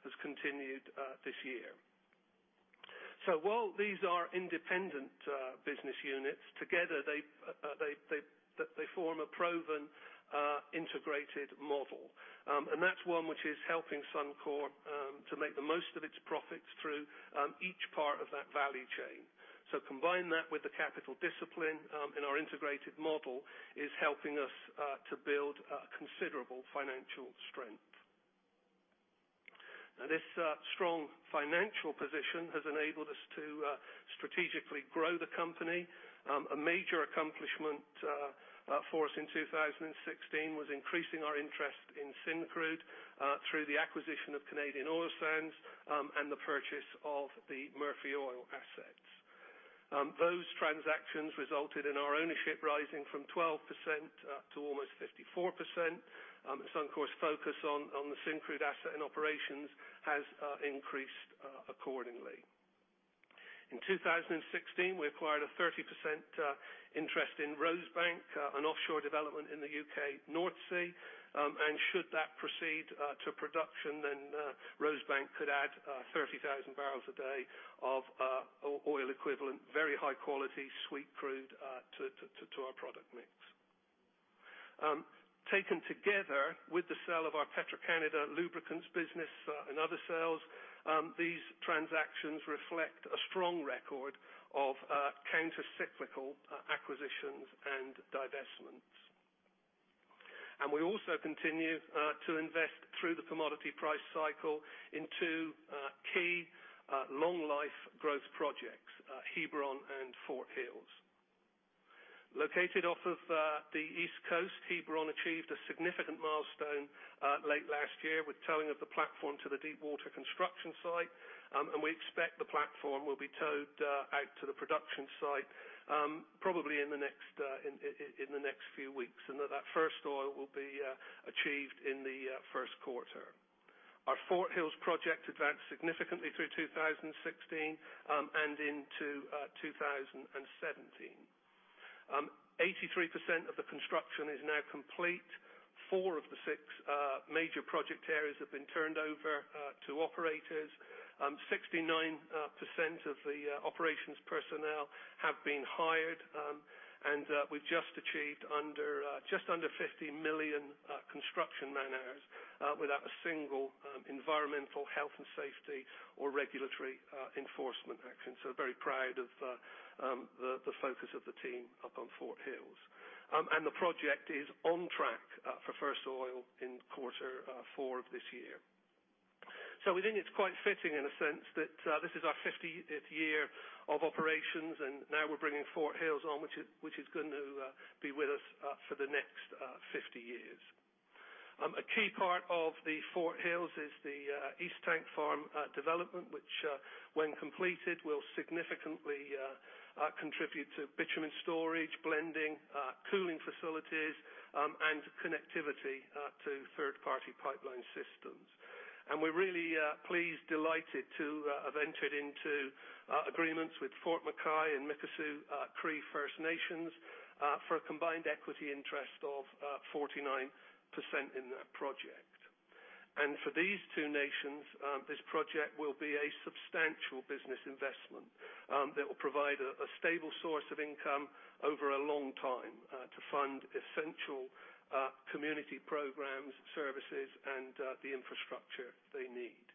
has continued this year. While these are independent business units, together they form a proven integrated model. That's one which is helping Suncor to make the most of its profits through each part of that value chain. Combine that with the capital discipline in our integrated model is helping us to build considerable financial strength. Now this strong financial position has enabled us to strategically grow the company. A major accomplishment for us in 2016 was increasing our interest in Syncrude through the acquisition of Canadian Oil Sands, and the purchase of the Murphy Oil assets. Those transactions resulted in our ownership rising from 12% to almost 54%. Suncor's focus on the Syncrude asset and operations has increased accordingly. In 2016, we acquired a 30% interest in Rosebank, an offshore development in the U.K. North Sea. Should that proceed to production, then Rosebank could add 30,000 barrels a day of oil equivalent, very high-quality sweet crude to our product mix. Taken together with the sale of our Petro-Canada Lubricants business and other sales, these transactions reflect a strong record of counter-cyclical acquisitions and divestments. We also continue to invest through the commodity price cycle into key long-life growth projects, Hebron and Fort Hills. Located off of the East Coast, Hebron achieved a significant milestone late last year with towing of the platform to the deep water construction site. We expect the platform will be towed out to the production site probably in the next few weeks, and that first oil will be achieved in the first quarter. Our Fort Hills project advanced significantly through 2016 and into 2017. 83% of the construction is now complete. Four of the six major project areas have been turned over to operators. 69% of the operations personnel have been hired. We've just achieved just under 50 million construction man-hours without a single environmental, health and safety, or regulatory enforcement action. Very proud of the focus of the team up on Fort Hills. The project is on track for first oil in quarter four of this year. We think it's quite fitting in a sense that this is our 50th year of operations, and now we're bringing Fort Hills on, which is going to be with us for the next 50 years. A key part of the Fort Hills is the East Tank Farm development, which, when completed, will significantly contribute to bitumen storage, blending, cooling facilities, and connectivity to third-party pipeline systems. We're really pleased, delighted to have entered into agreements with Fort McKay and Mikisew Cree First Nation for a combined equity interest of 49% in that project. For these two nations, this project will be a substantial business investment that will provide a stable source of income over a long time to fund essential community programs, services, and the infrastructure they need.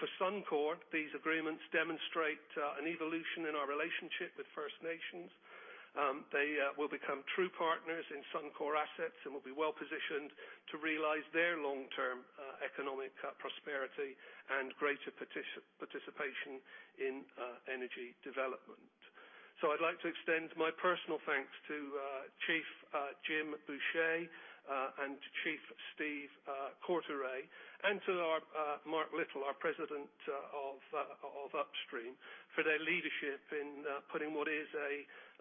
For Suncor, these agreements demonstrate an evolution in our relationship with First Nations. They will become true partners in Suncor assets and will be well-positioned to realize their long-term economic prosperity and greater participation in energy development. I'd like to extend my personal thanks to Chief Jim Boucher and Chief Steve Courtoreille, and to Mark Little, our President of Upstream, for their leadership in putting what is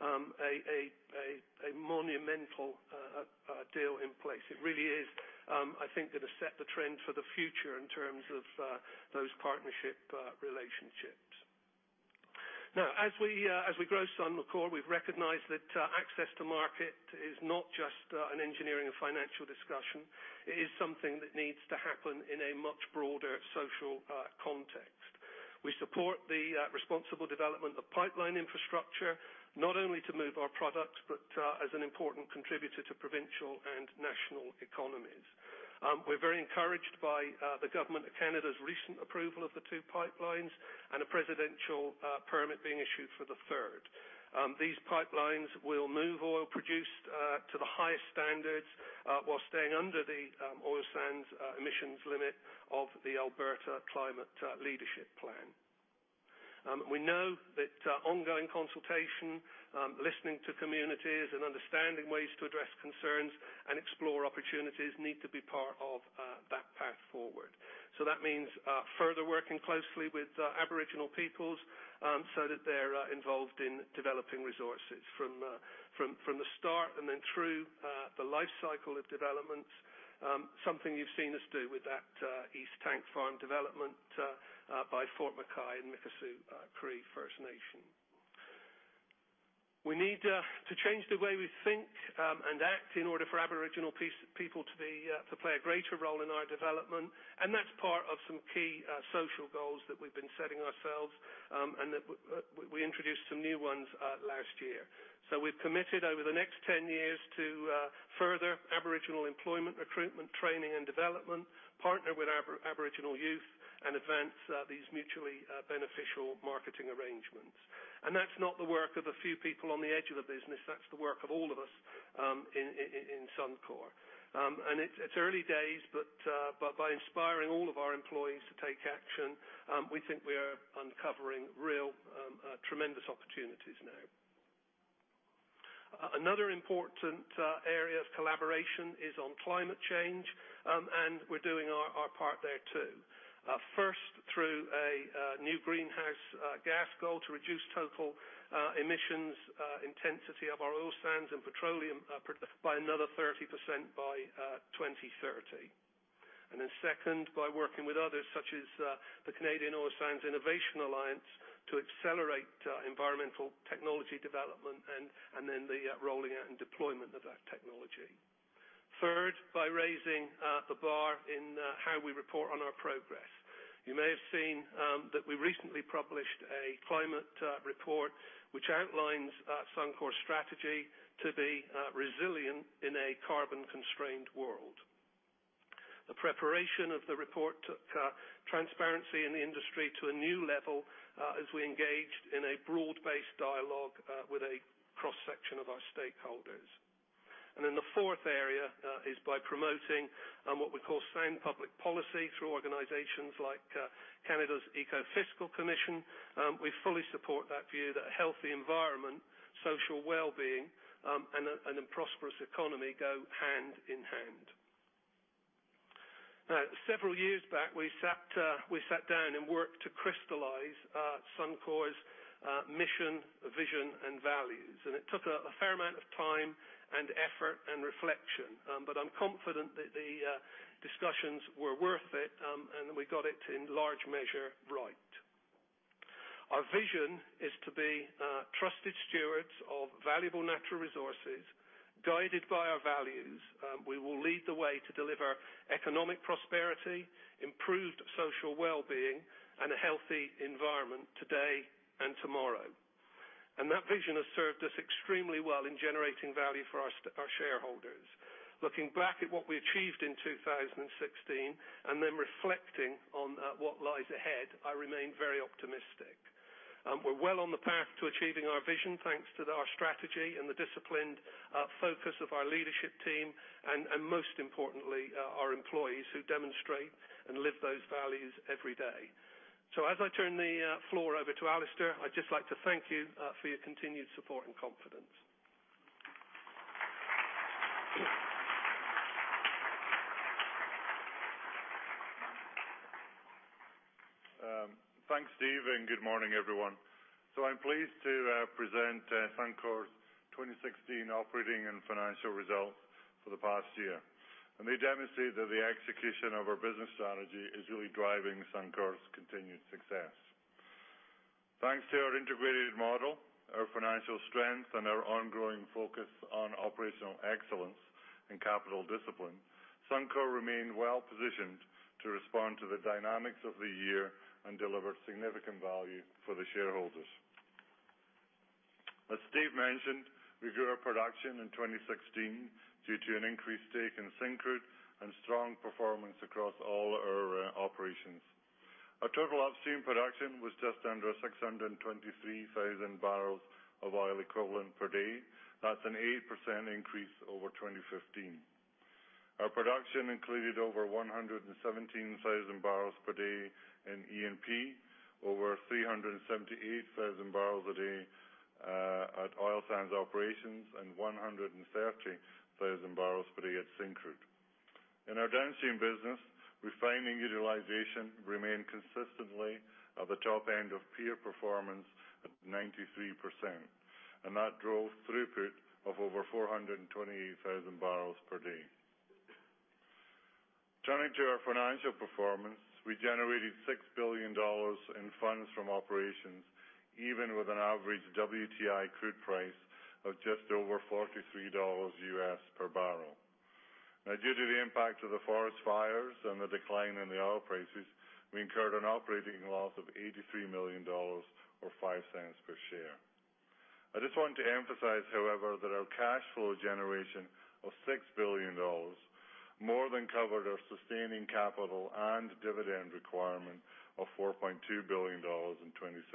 a monumental deal in place. It really is, I think, going to set the trend for the future in terms of those partnership relationships. As we grow Suncor, we've recognized that access to market is not just an engineering and financial discussion. It is something that needs to happen in a much broader social context. We support the responsible development of pipeline infrastructure, not only to move our product, but as an important contributor to provincial and national economies. We're very encouraged by the Government of Canada's recent approval of the two pipelines, and a presidential permit being issued for the third. These pipelines will move oil produced to the highest standards while staying under the oil sands emissions limit of the Alberta Climate Leadership Plan. We know that ongoing consultation, listening to communities, and understanding ways to address concerns and explore opportunities need to be part of that path forward. That means further working closely with Aboriginal peoples so that they're involved in developing resources from the start and then through the life cycle of development. Something you've seen us do with that East Tank Farm development by Fort McKay and Mikisew Cree First Nation. We need to change the way we think and act in order for Aboriginal people to play a greater role in our development, and that's part of some key social goals that we've been setting ourselves, and that we introduced some new ones last year. We've committed over the next 10 years to further Aboriginal employment recruitment, training, and development, partner with Aboriginal youth, and advance these mutually beneficial marketing arrangements. That's not the work of a few people on the edge of the business. That's the work of all of us in Suncor. It's early days, but by inspiring all of our employees to take action, we think we are uncovering real, tremendous opportunities now. Another important area of collaboration is on climate change, and we're doing our part there, too. Through a new greenhouse gas goal to reduce total emissions intensity of our oil sands and petroleum output by another 30% by 2030. Second, by working with others, such as the Canadian Oil Sands Innovation Alliance, to accelerate environmental technology development and then the rolling out and deployment of that technology. Third, by raising the bar in how we report on our progress. You may have seen that we recently published a climate report which outlines Suncor's strategy to be resilient in a carbon-constrained world. The preparation of the report took transparency in the industry to a new level as we engaged in a broad-based dialogue with a cross-section of our stakeholders. The fourth area is by promoting what we call sound public policy through organizations like Canada's Ecofiscal Commission. We fully support that view that a healthy environment, social wellbeing, and a prosperous economy go hand in hand. Several years back, we sat down and worked to crystallize Suncor's mission, vision, and values. It took a fair amount of time and effort and reflection. I'm confident that the discussions were worth it, and we got it in large measure, right. Our vision is to be trusted stewards of valuable natural resources. Guided by our values, we will lead the way to deliver economic prosperity, improved social wellbeing, and a healthy environment today and tomorrow. That vision has served us extremely well in generating value for our shareholders. Looking back at what we achieved in 2016 and reflecting on what lies ahead, I remain very optimistic. We're well on the path to achieving our vision thanks to our strategy and the disciplined focus of our leadership team, and most importantly, our employees, who demonstrate and live those values every day. As I turn the floor over to Alister, I'd just like to thank you for your continued support and confidence. Thanks, Steve, and good morning, everyone. I'm pleased to present Suncor's 2016 operating and financial results for the past year. They demonstrate that the execution of our business strategy is really driving Suncor's continued success. Thanks to our integrated model, our financial strength, and our ongoing focus on operational excellence and capital discipline, Suncor remained well-positioned to respond to the dynamics of the year and deliver significant value for the shareholders. As Steve mentioned, we grew our production in 2016 due to an increased stake in Syncrude and strong performance across all our operations. Our total upstream production was just under 623,000 barrels of oil equivalent per day. That's an 8% increase over 2015. Our production included over 117,000 barrels per day in E&P, over 378,000 barrels a day at oil sands operations, and 130,000 barrels per day at Syncrude. In our downstream business, refining utilization remained consistently at the top end of peer performance at 93%. That drove throughput of over 428,000 barrels per day. Turning to our financial performance, we generated 6 billion dollars in funds from operations, even with an average WTI crude price of just over $43 US per barrel. Due to the impact of the forest fires and the decline in the oil prices, we incurred an operating loss of 83 million dollars, or 0.05 per share. I just want to emphasize, however, that our cash flow generation of 6 billion dollars more than covered our sustaining capital and dividend requirement of 4.2 billion dollars in 2016.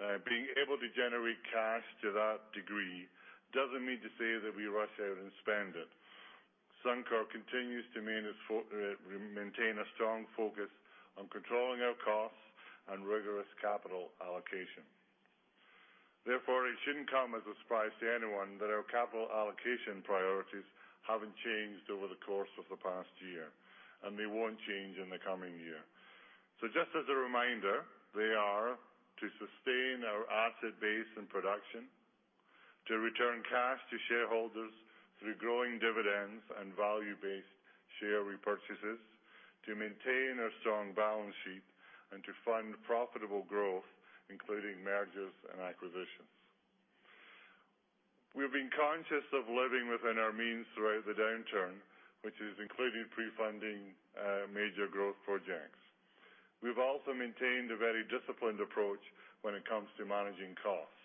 Being able to generate cash to that degree doesn't mean to say that we rush out and spend it. Suncor continues to maintain a strong focus on controlling our costs and rigorous capital allocation. Therefore, it shouldn't come as a surprise to anyone that our capital allocation priorities haven't changed over the course of the past year, and they won't change in the coming year. Just as a reminder, they are to sustain our asset base and production, to return cash to shareholders through growing dividends and value-based share repurchases, to maintain our strong balance sheet, and to fund profitable growth, including mergers and acquisitions. We've been conscious of living within our means throughout the downturn, which has included pre-funding major growth projects. We've also maintained a very disciplined approach when it comes to managing costs.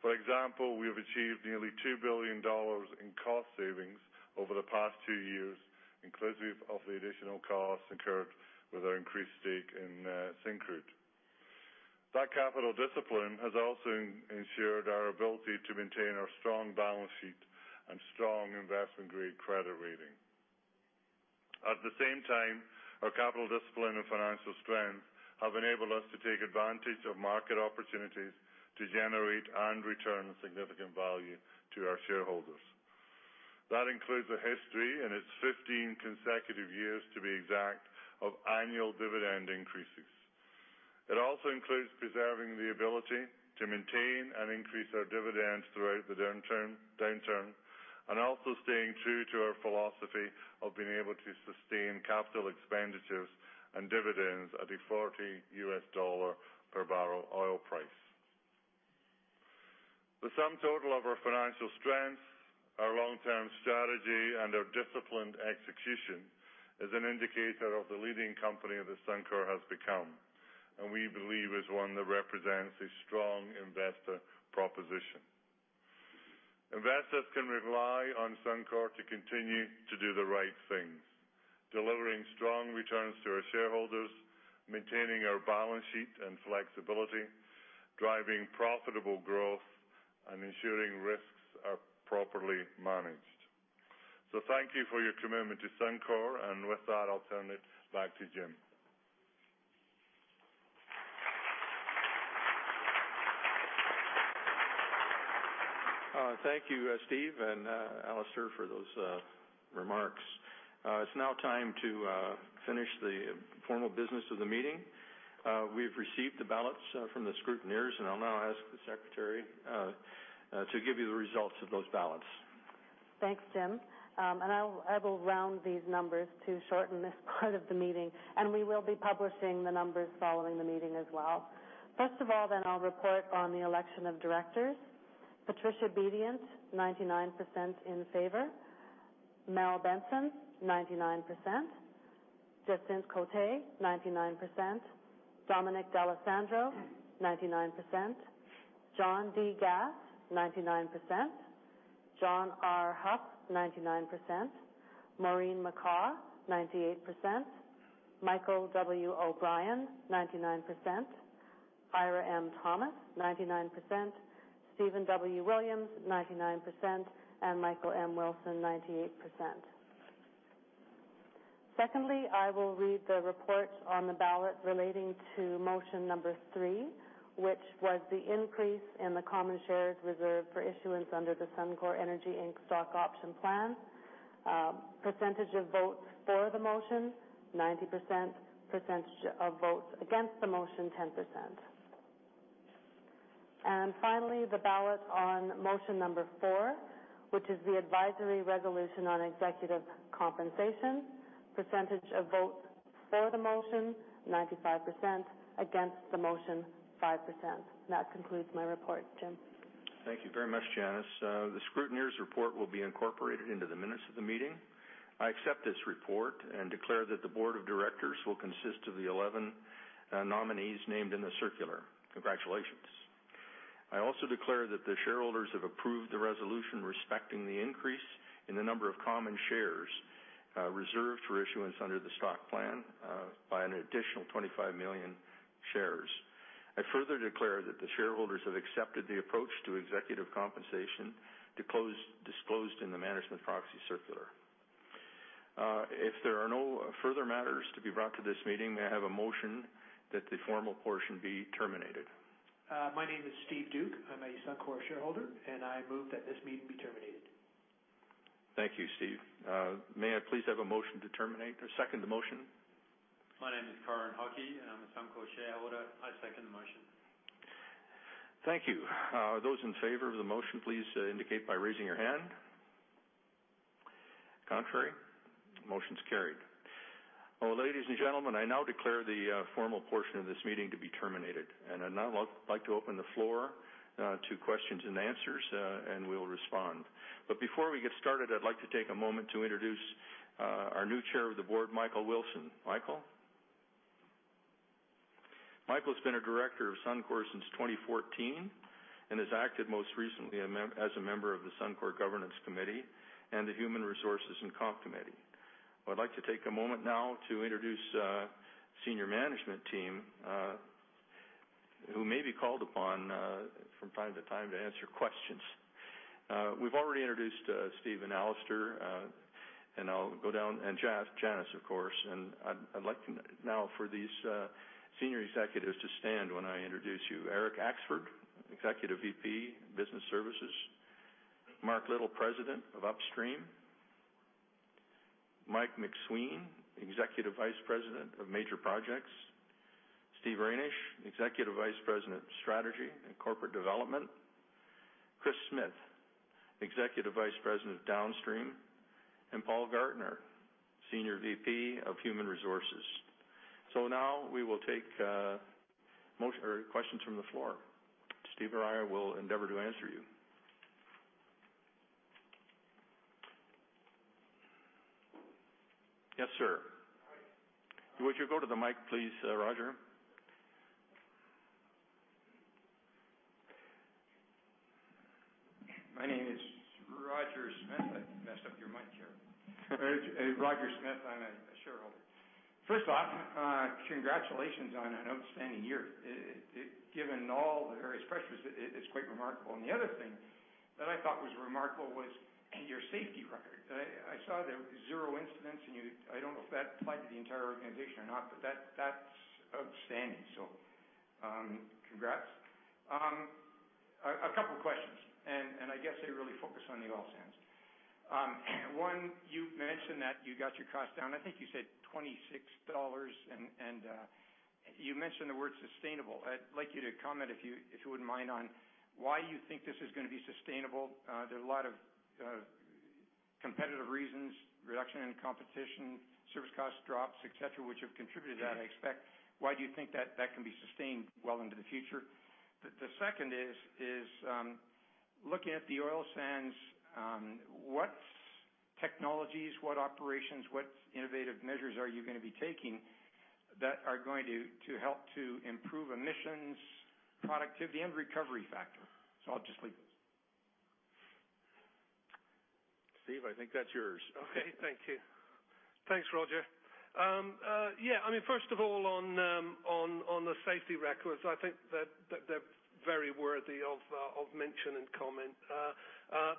For example, we have achieved nearly 2 billion dollars in cost savings over the past 2 years, inclusive of the additional costs incurred with our increased stake in Syncrude. That capital discipline has also ensured our ability to maintain our strong balance sheet and strong investment-grade credit rating. At the same time, our capital discipline and financial strength have enabled us to take advantage of market opportunities to generate and return significant value to our shareholders. That includes a history and its 15 consecutive years, to be exact, of annual dividend increases. It also includes preserving the ability to maintain and increase our dividends throughout the downturn, and also staying true to our philosophy of being able to sustain capital expenditures and dividends at a $40 U.S. per barrel oil price. The sum total of our financial strength, our long-term strategy, and our disciplined execution is an indicator of the leading company that Suncor has become, and we believe is one that represents a strong investor proposition. Investors can rely on Suncor to continue to do the right things, delivering strong returns to our shareholders, maintaining our balance sheet and flexibility, driving profitable growth, and ensuring risks are properly managed. Thank you for your commitment to Suncor, and with that, I'll turn it back to Jim. Thank you, Steve and Alister, for those remarks. It's now time to finish the formal business of the meeting. We've received the ballots from the scrutineers, and I'll now ask the secretary to give you the results of those ballots. Thanks, Jim. I will round these numbers to shorten this part of the meeting. We will be publishing the numbers following the meeting as well. First of all, I'll report on the election of directors. Patricia Bedient, 99% in favor. Mel Benson, 99%. Jacynthe Côté, 99%. Dominic D'Alessandro, 99%. John D. Gass, 99%. John R. Huff, 99%. Maureen McCaw, 98%. Michael W. O'Brien, 99%. Eira M. Thomas, 99%. Steven W. Williams, 99%, and Michael M. Wilson, 98%. Secondly, I will read the report on the ballot relating to motion number three, which was the increase in the common shares reserved for issuance under the Suncor Energy Inc. stock option plan. Percentage of votes for the motion, 90%. Percentage of votes against the motion, 10%. Finally, the ballot on motion number four, which is the advisory resolution on executive compensation. Percentage of votes for the motion, 95%, against the motion, 5%. That concludes my report. Jim? Thank you very much, Janice. The scrutineer's report will be incorporated into the minutes of the meeting. I accept this report and declare that the board of directors will consist of the 11 nominees named in the circular. Congratulations. I also declare that the shareholders have approved the resolution respecting the increase in the number of common shares reserved for issuance under the stock plan by an additional 25 million shares. I further declare that the shareholders have accepted the approach to executive compensation disclosed in the management proxy circular. If there are no further matters to be brought to this meeting, may I have a motion that the formal portion be terminated? My name is Steve Duke, I'm a Suncor shareholder, I move that this meeting be terminated. Thank you, Steve. May I please have a motion to second the motion? My name is Karin Hockey, and I'm a Suncor shareholder. I second the motion. Thank you. Those in favor of the motion, please indicate by raising your hand. Contrary. Motion's carried. Ladies and gentlemen, I now declare the formal portion of this meeting to be terminated. I'd now like to open the floor to questions and answers, and we'll respond. Before we get started, I'd like to take a moment to introduce our new Chair of the Board, Michael Wilson. Michael? Michael's been a Director of Suncor since 2014 and has acted most recently as a member of the Suncor Governance Committee and the Human Resources and Comp Committee. I'd like to take a moment now to introduce senior management team who may be called upon from time to time to answer questions. We've already introduced Steve and Alister, and Janice, of course. I'd like now for these senior executives to stand when I introduce you. Eric Axford, Executive Vice President, Business Services. Mark Little, President of Upstream. Mike MacSween, Executive Vice President of Major Projects. Steve Reynish, Executive Vice President of Strategy and Corporate Development. Kris Smith, Executive Vice President of Downstream, and Paul Gardner, Senior Vice President of Human Resources. Now we will take questions from the floor. Steve or I will endeavor to answer you. Yes, sir. Would you go to the mic, please, Roger? My name is Roger Smith. I messed up your mic, Chair. Roger Smith, I'm a shareholder. First off, congratulations on an outstanding year. Given all the various pressures, it's quite remarkable. The other thing that I thought was remarkable was your safety record. I saw there was zero incidents. I don't know if that applied to the entire organization or not, but that's outstanding. Congrats. A couple questions. I guess they really focus on the oil sands. One, you mentioned that you got your cost down, I think you said 26 dollars, and you mentioned the word sustainable. I'd like you to comment, if you wouldn't mind, on why you think this is going to be sustainable. There are a lot of competitive reasons, reduction in competition, service cost drops, et cetera, which have contributed to that, I expect. Why do you think that can be sustained well into the future? The second is looking at the oil sands, what technologies, what operations, what innovative measures are you going to be taking that are going to help to improve emissions, productivity, and recovery factor? I'll just leave it. Steve, I think that's yours. Okay, thank you. Thanks, Roger. First of all, on the safety records, I think that they're very worthy of mention and comment.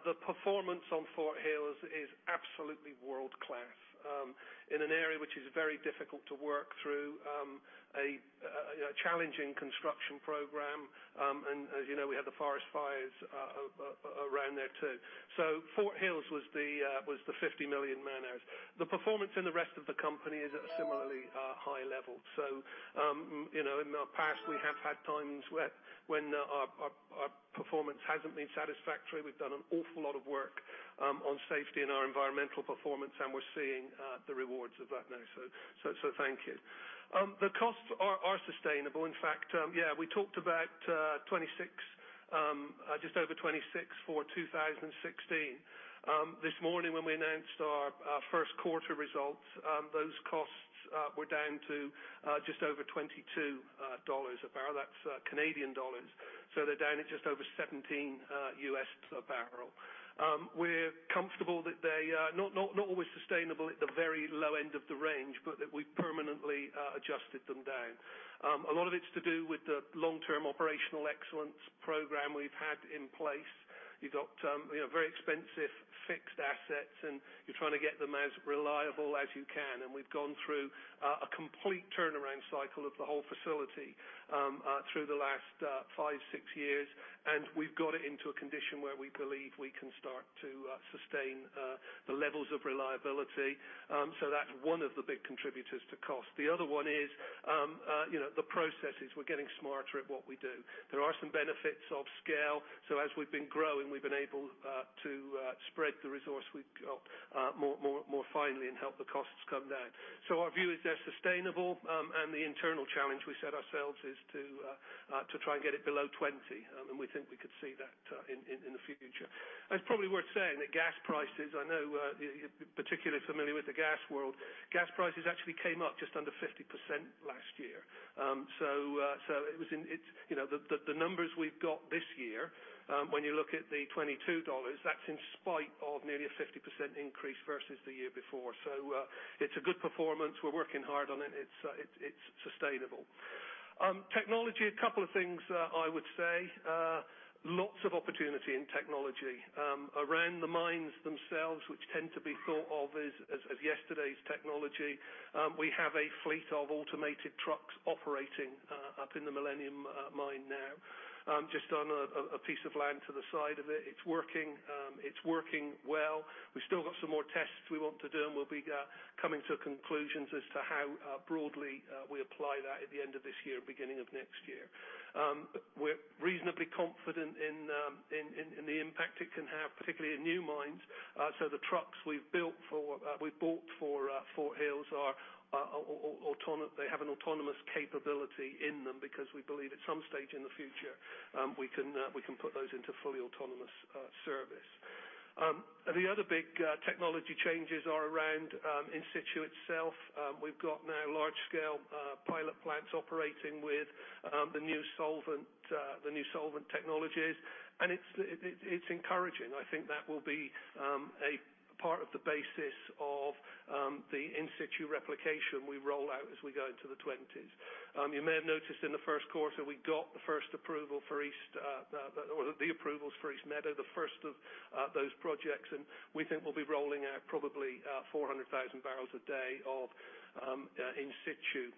The performance on Fort Hills is absolutely world-class in an area which is very difficult to work through, a challenging construction program. As you know, we had the forest fires around there, too. Fort Hills was the 50 million man-hours. The performance in the rest of the company is at a similarly high level. In the past, we have had times when our performance hasn't been satisfactory. We've done an awful lot of work on safety and our environmental performance, and we're seeing the rewards of that now. Thank you. The costs are sustainable. In fact, we talked about just over 26 for 2016. This morning when we announced our first quarter results, those costs were down to just over 22 dollars a barrel. That's Canadian dollars, they're down at just over $17 US a barrel. We're comfortable that they are not always sustainable at the very low end of the range, but that we've permanently adjusted them down. A lot of it is to do with the long-term operational excellence program we've had in place. You've got very expensive fixed assets, and you're trying to get them as reliable as you can. We've gone through a complete turnaround cycle of the whole facility through the last five, six years, and we've got it into a condition where we believe we can start to sustain the levels of reliability. That's one of the big contributors to cost. The other one is the processes. We're getting smarter at what we do. There are some benefits of scale. As we've been growing, we've been able to spread the resource we've got more finely and help the costs come down. Our view is they're sustainable, and the internal challenge we set ourselves is to try and get it below 20, and we think we could see that in the future. It's probably worth saying that gas prices, I know you're particularly familiar with the gas world. Gas prices actually came up just under 50% last year. The numbers we've got this year, when you look at the 22 dollars, that's in spite of nearly a 50% increase versus the year before. It's a good performance. We're working hard on it. It's sustainable. Technology, a couple of things I would say. Lots of opportunity in technology. Around the mines themselves, which tend to be thought of as yesterday's technology, we have a fleet of automated trucks operating up in the Millennium Mine now, just on a piece of land to the side of it. It's working well. We've still got some more tests we want to do, and we'll be coming to conclusions as to how broadly we apply that at the end of this year, beginning of next year. We're reasonably confident in the impact it can have, particularly in new mines. The trucks we've bought for Fort Hills, they have an autonomous capability in them because we believe at some stage in the future, we can put those into fully autonomous service. The other big technology changes are around in situ itself. We've got now large-scale pilot plants operating with the new solvent technologies, and it's encouraging. I think that will be a part of the basis of the in situ replication we roll out as we go into the '20s. You may have noticed in the first quarter, we got the approvals for Meadow Creek East, the first of those projects, and we think we'll be rolling out probably 400,000 barrels a day of in situ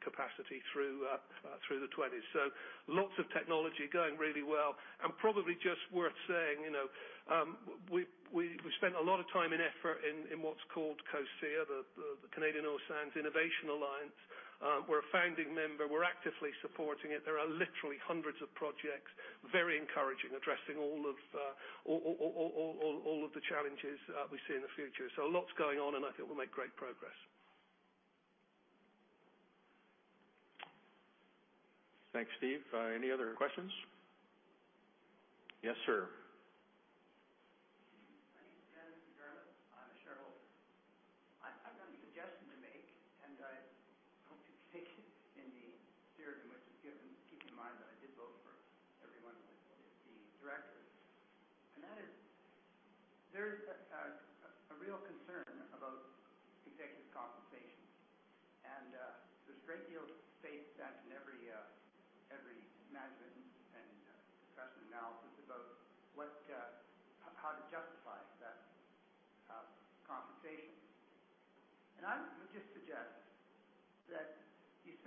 capacity through the '20s. Lots of technology going really well. Probably just worth saying, we spent a lot of time and effort in what's called COSIA, the Canadian Oil Sands Innovation Alliance. We're a founding member. We're actively supporting it. There are literally hundreds of projects, very encouraging, addressing all of the challenges we see in the future. Lots going on, and I think we'll make great progress. Thanks, Steve. Any other questions? Yes, sir.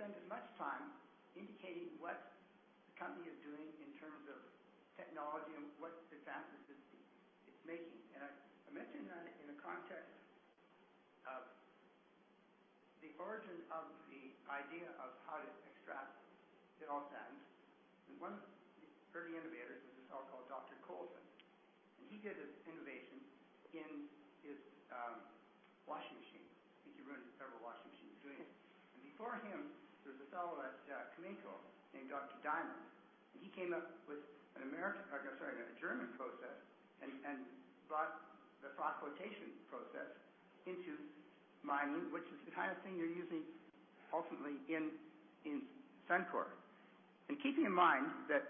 My name is Dennis McDermott. I'm a shareholder. I've got a suggestion to make, and I hope you take it in the spirit in which it's given, keeping in mind that I did vote for every one of the directors. That is, there is a real concern about executive compensation. There's a great deal of space that in every management and professional analysis about how to justify that compensation. I would just suggest that you spend as much time indicating what the company is doing in terms of technology and what advances it's making. I mention that in the context of the origin of the idea of how to extract the oil sands. One of the early innovators was this fellow called Dr. Karl Clark, and he did his innovation in his washing machine. I think he ruined several washing machines doing it. Before him, there was a fellow at Conoco named Dr. Diamond. He came up with a German process and brought the froth flotation process into mining, which is the kind of thing you're using ultimately in Suncor. Keeping in mind that,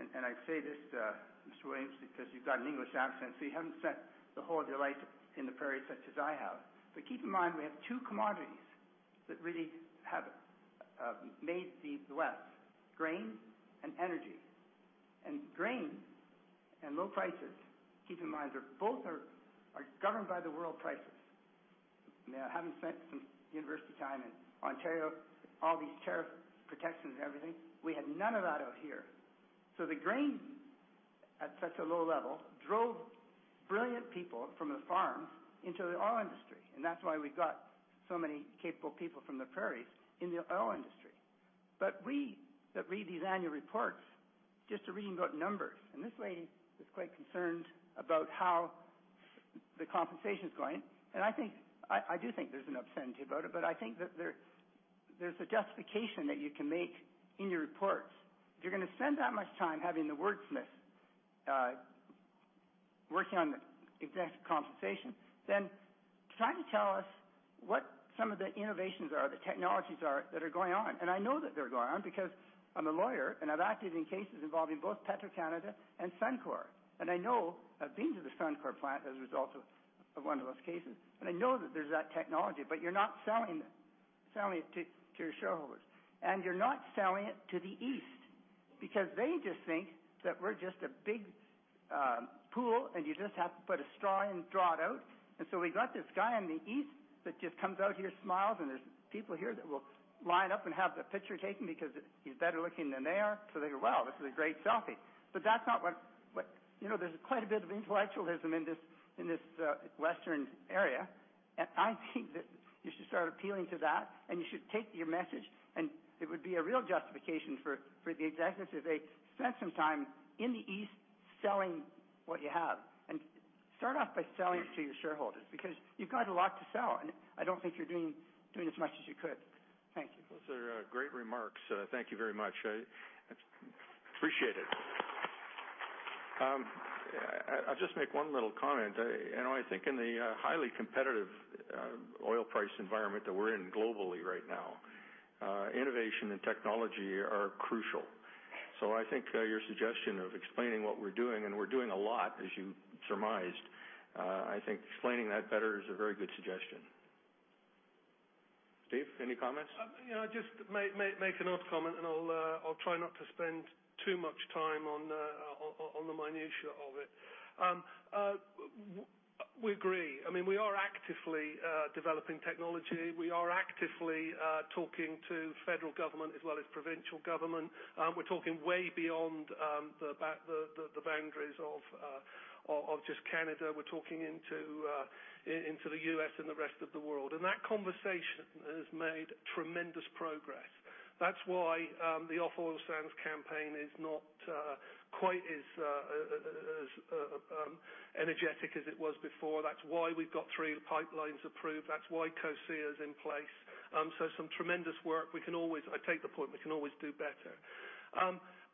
and I say this, Mr. Williams, because you've got an English accent, so you haven't spent the whole of your life in the prairies such as I have. Keep in mind, we have two commodities that really have made the West, grain and energy. Grain and low prices, keep in mind, both are governed by the world prices. Having spent some university time in Ontario, all these tariff protections and everything, we had none of that out here. The grain at such a low level drove brilliant people from the farms into the oil industry, and that's why we've got so many capable people from the prairies in the oil industry. We that read these annual reports just are reading about numbers. This lady is quite concerned about how- the compensation is going, and I do think there's an upset in the board, I think that there's a justification that you can make in your reports. If you're going to spend that much time having the wordsmith working on the executive compensation, try to tell us what some of the innovations are, the technologies are, that are going on. I know that they're going on because I'm a lawyer and I've acted in cases involving both Petro-Canada and Suncor. I know, I've been to the Suncor plant as a result of one of those cases, and I know that there's that technology, you're not selling it to your shareholders. You're not selling it to the East, because they just think that we're just a big pool and you just have to put a straw in, draw it out. We got this guy in the East that just comes out here, smiles, and there's people here that will line up and have their picture taken because he's better looking than they are, so they go, "Wow, this is a great selfie." There's quite a bit of intellectualism in this Western area. I think that you should start appealing to that and you should take your message. It would be a real justification for the executives if they spent some time in the East selling what you have. Start off by selling it to your shareholders, because you've got a lot to sell, and I don't think you're doing as much as you could. Thank you. Those are great remarks. Thank you very much. I appreciate it. I'll just make one little comment. I think in the highly competitive oil price environment that we're in globally right now, innovation and technology are crucial. I think your suggestion of explaining what we're doing, and we're doing a lot, as you surmised, I think explaining that better is a very good suggestion. Steve, any comments? Yeah, I'll just make an odd comment and I'll try not to spend too much time on the minutia of it. We agree. We are actively developing technology. We are actively talking to federal government, as well as provincial government. We're talking way beyond the boundaries of just Canada. We're talking into the U.S. and the rest of the world. That conversation has made tremendous progress. That's why the Off Oil Sands campaign is not quite as energetic as it was before. That's why we've got three pipelines approved. That's why COSIA is in place. Some tremendous work. I take the point, we can always do better.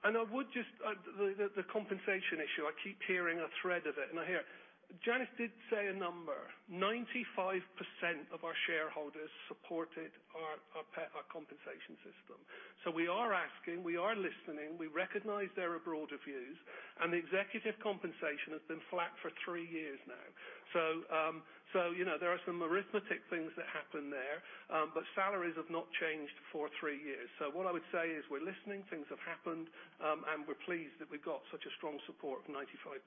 The compensation issue, I keep hearing a thread of it, and I hear Janice did say a number. 95% of our shareholders supported our compensation system. We are asking, we are listening, we recognize there are broader views, and the executive compensation has been flat for three years now. There are some arithmetic things that happen there, but salaries have not changed for three years. What I would say is we're listening, things have happened, and we're pleased that we got such a strong support of 95%.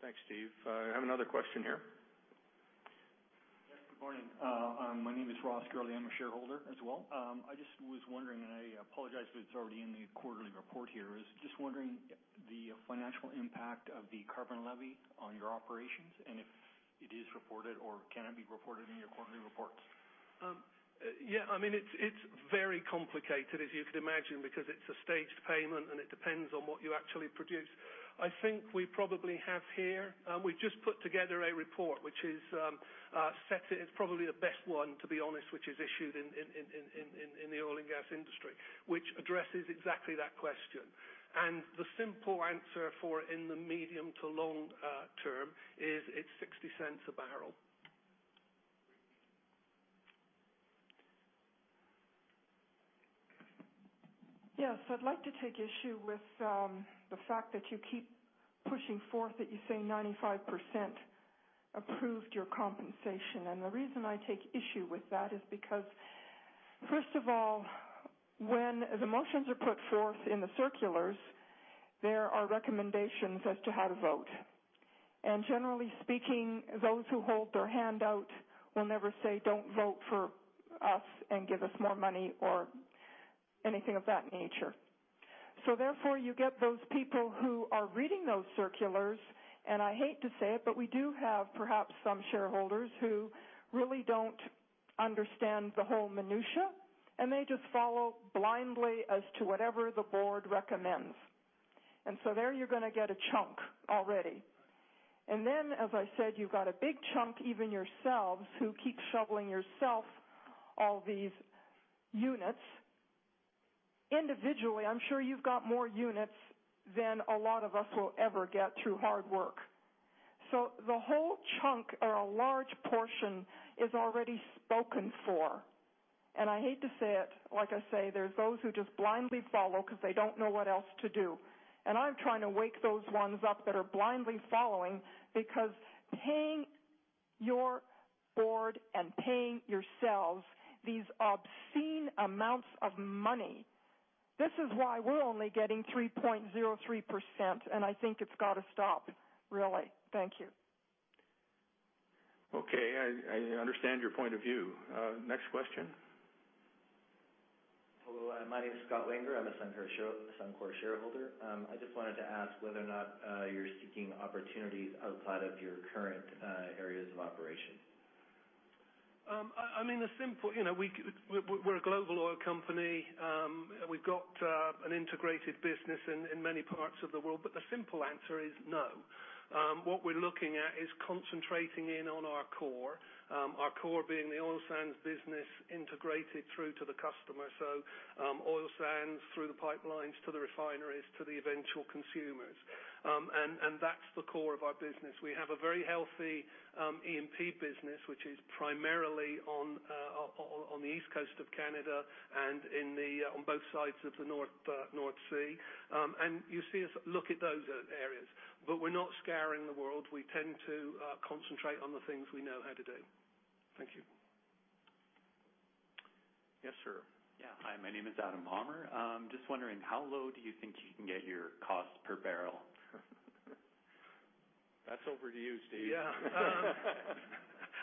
Thanks, Steve. I have another question here. Yes, good morning. My name is Ross Gurley. I am a shareholder as well. I just was wondering, and I apologize if it is already in the quarterly report here, is just wondering the financial impact of the carbon levy on your operations, and if it is reported or can it be reported in your quarterly reports? Yeah, it is very complicated, as you could imagine, because it is a staged payment and it depends on what you actually produce. I think we probably have here. We have just put together a report which is set. It is probably the best one, to be honest, which is issued in the oil and gas industry, which addresses exactly that question. The simple answer for in the medium to long term is it is CAD 0.60 a barrel. Yes, I would like to take issue with the fact that you keep pushing forth that you say 95% approved your compensation. The reason I take issue with that is because, first of all, when the motions are put forth in the circulars, there are recommendations as to how to vote. Generally speaking, those who hold their hand out will never say, "Don't vote for us and give us more money," or anything of that nature. Therefore, you get those people who are reading those circulars, and I hate to say it, but we do have perhaps some shareholders who really don't understand the whole minutia, and they just follow blindly as to whatever the board recommends. So there you are going to get a chunk already. Then, as I said, you have got a big chunk, even yourselves, who keep shoveling yourself all these units. Individually, I'm sure you've got more units than a lot of us will ever get through hard work. The whole chunk, or a large portion, is already spoken for. I hate to say it, like I say, there's those who just blindly follow because they don't know what else to do. I'm trying to wake those ones up that are blindly following, because paying your board and paying yourselves these obscene amounts of money, this is why we're only getting 3.03%, and I think it's got to stop, really. Thank you. Okay. I understand your point of view. Next question. Hello, my name is Scott Wanger. I'm a Suncor shareholder. I just wanted to ask whether or not you're seeking opportunities outside of your current areas of operation. We're a global oil company. We've got an integrated business in many parts of the world, but the simple answer is no. What we're looking at is concentrating in on our core, our core being the oil sands business integrated through to the customer. Oil sands through the pipelines to the refineries, to the eventual consumers. That's the core of our business. We have a very healthy E&P business, which is primarily on the East Coast of Canada and on both sides of the North Sea. You see us look at those areas, but we're not scouring the world. We tend to concentrate on the things we know how to do. Thank you. Yes, sir. Hi, my name is Adam Palmer. Just wondering, how low do you think you can get your cost per barrel? That's over to you, Steve.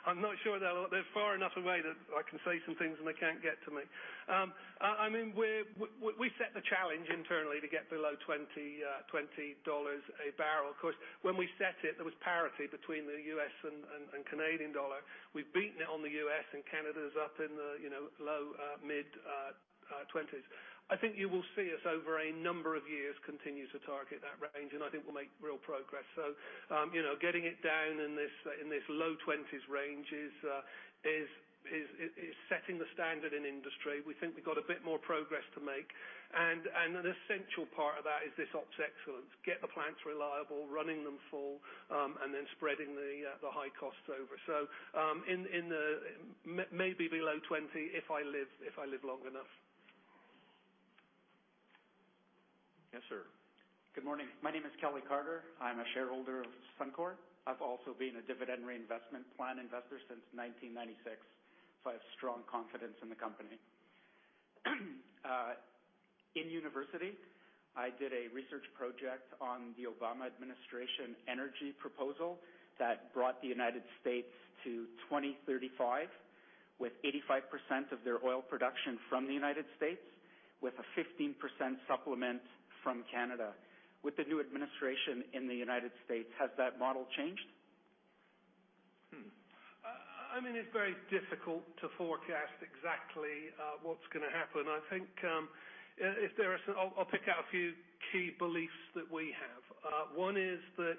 I'm not sure. They're far enough away that I can say some things, they can't get to me. We set the challenge internally to get below 20 dollars a barrel. Of course, when we set it, there was parity between the U.S. and Canadian dollar. We've beaten it on the U.S., Canada's up in the low, mid-CAD 20s. I think you will see us over a number of years continue to target that range, I think we'll make real progress. Getting it down in this low CAD 20s range is setting the standard in industry. We think we've got a bit more progress to make. An essential part of that is this ops excellence. Get the plants reliable, running them full, spreading the high costs over. Maybe below 20, if I live long enough. Yes, sir. Good morning. My name is Kelly Carter. I'm a shareholder of Suncor. I've also been a dividend reinvestment plan investor since 1996, so I have strong confidence in the company. In university, I did a research project on the Obama administration energy proposal that brought the United States to 2035 with 85% of their oil production from the United States, with a 15% supplement from Canada. With the new administration in the United States, has that model changed? It's very difficult to forecast exactly what's going to happen. I'll pick out a few key beliefs that we have. One is that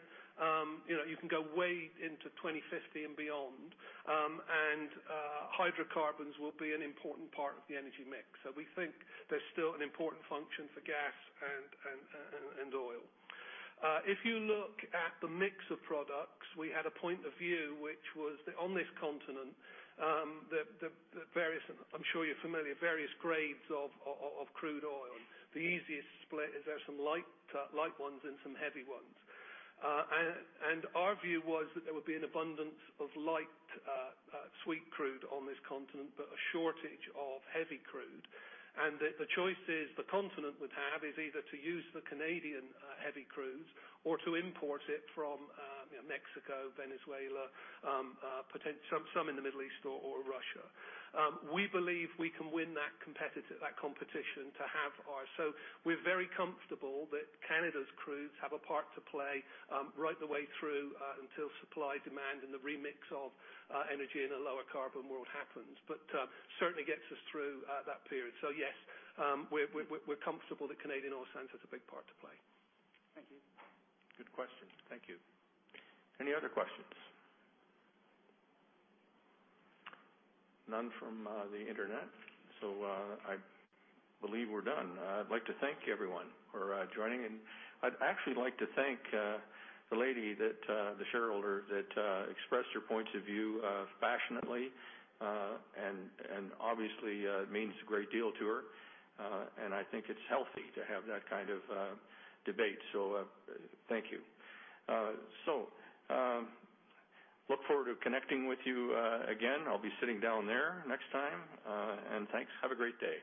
you can go way into 2050 and beyond. Hydrocarbons will be an important part of the energy mix. We think there's still an important function for gas and oil. If you look at the mix of products, we had a point of view, which was on this continent, I'm sure you're familiar, various grades of crude oil. The easiest split is there's some light ones and some heavy ones. Our view was that there would be an abundance of light sweet crude on this continent, but a shortage of heavy crude, and that the choices the continent would have is either to use the Canadian heavy crudes or to import it from Mexico, Venezuela, some in the Middle East or Russia. We believe we can win that competition to have ours. We're very comfortable that Canada's crudes have a part to play right the way through until supply, demand, and the remix of energy in a lower carbon world happens. Certainly gets us through that period. Yes, we're comfortable that Canadian oil sands has a big part to play. Thank you. Good question. Thank you. Any other questions? None from the internet, so I believe we're done. I'd like to thank everyone for joining, and I'd actually like to thank the lady, the shareholder, that expressed her points of view passionately, and obviously it means a great deal to her. I think it's healthy to have that kind of debate, so thank you. Look forward to connecting with you again. I'll be sitting down there next time. Thanks. Have a great day.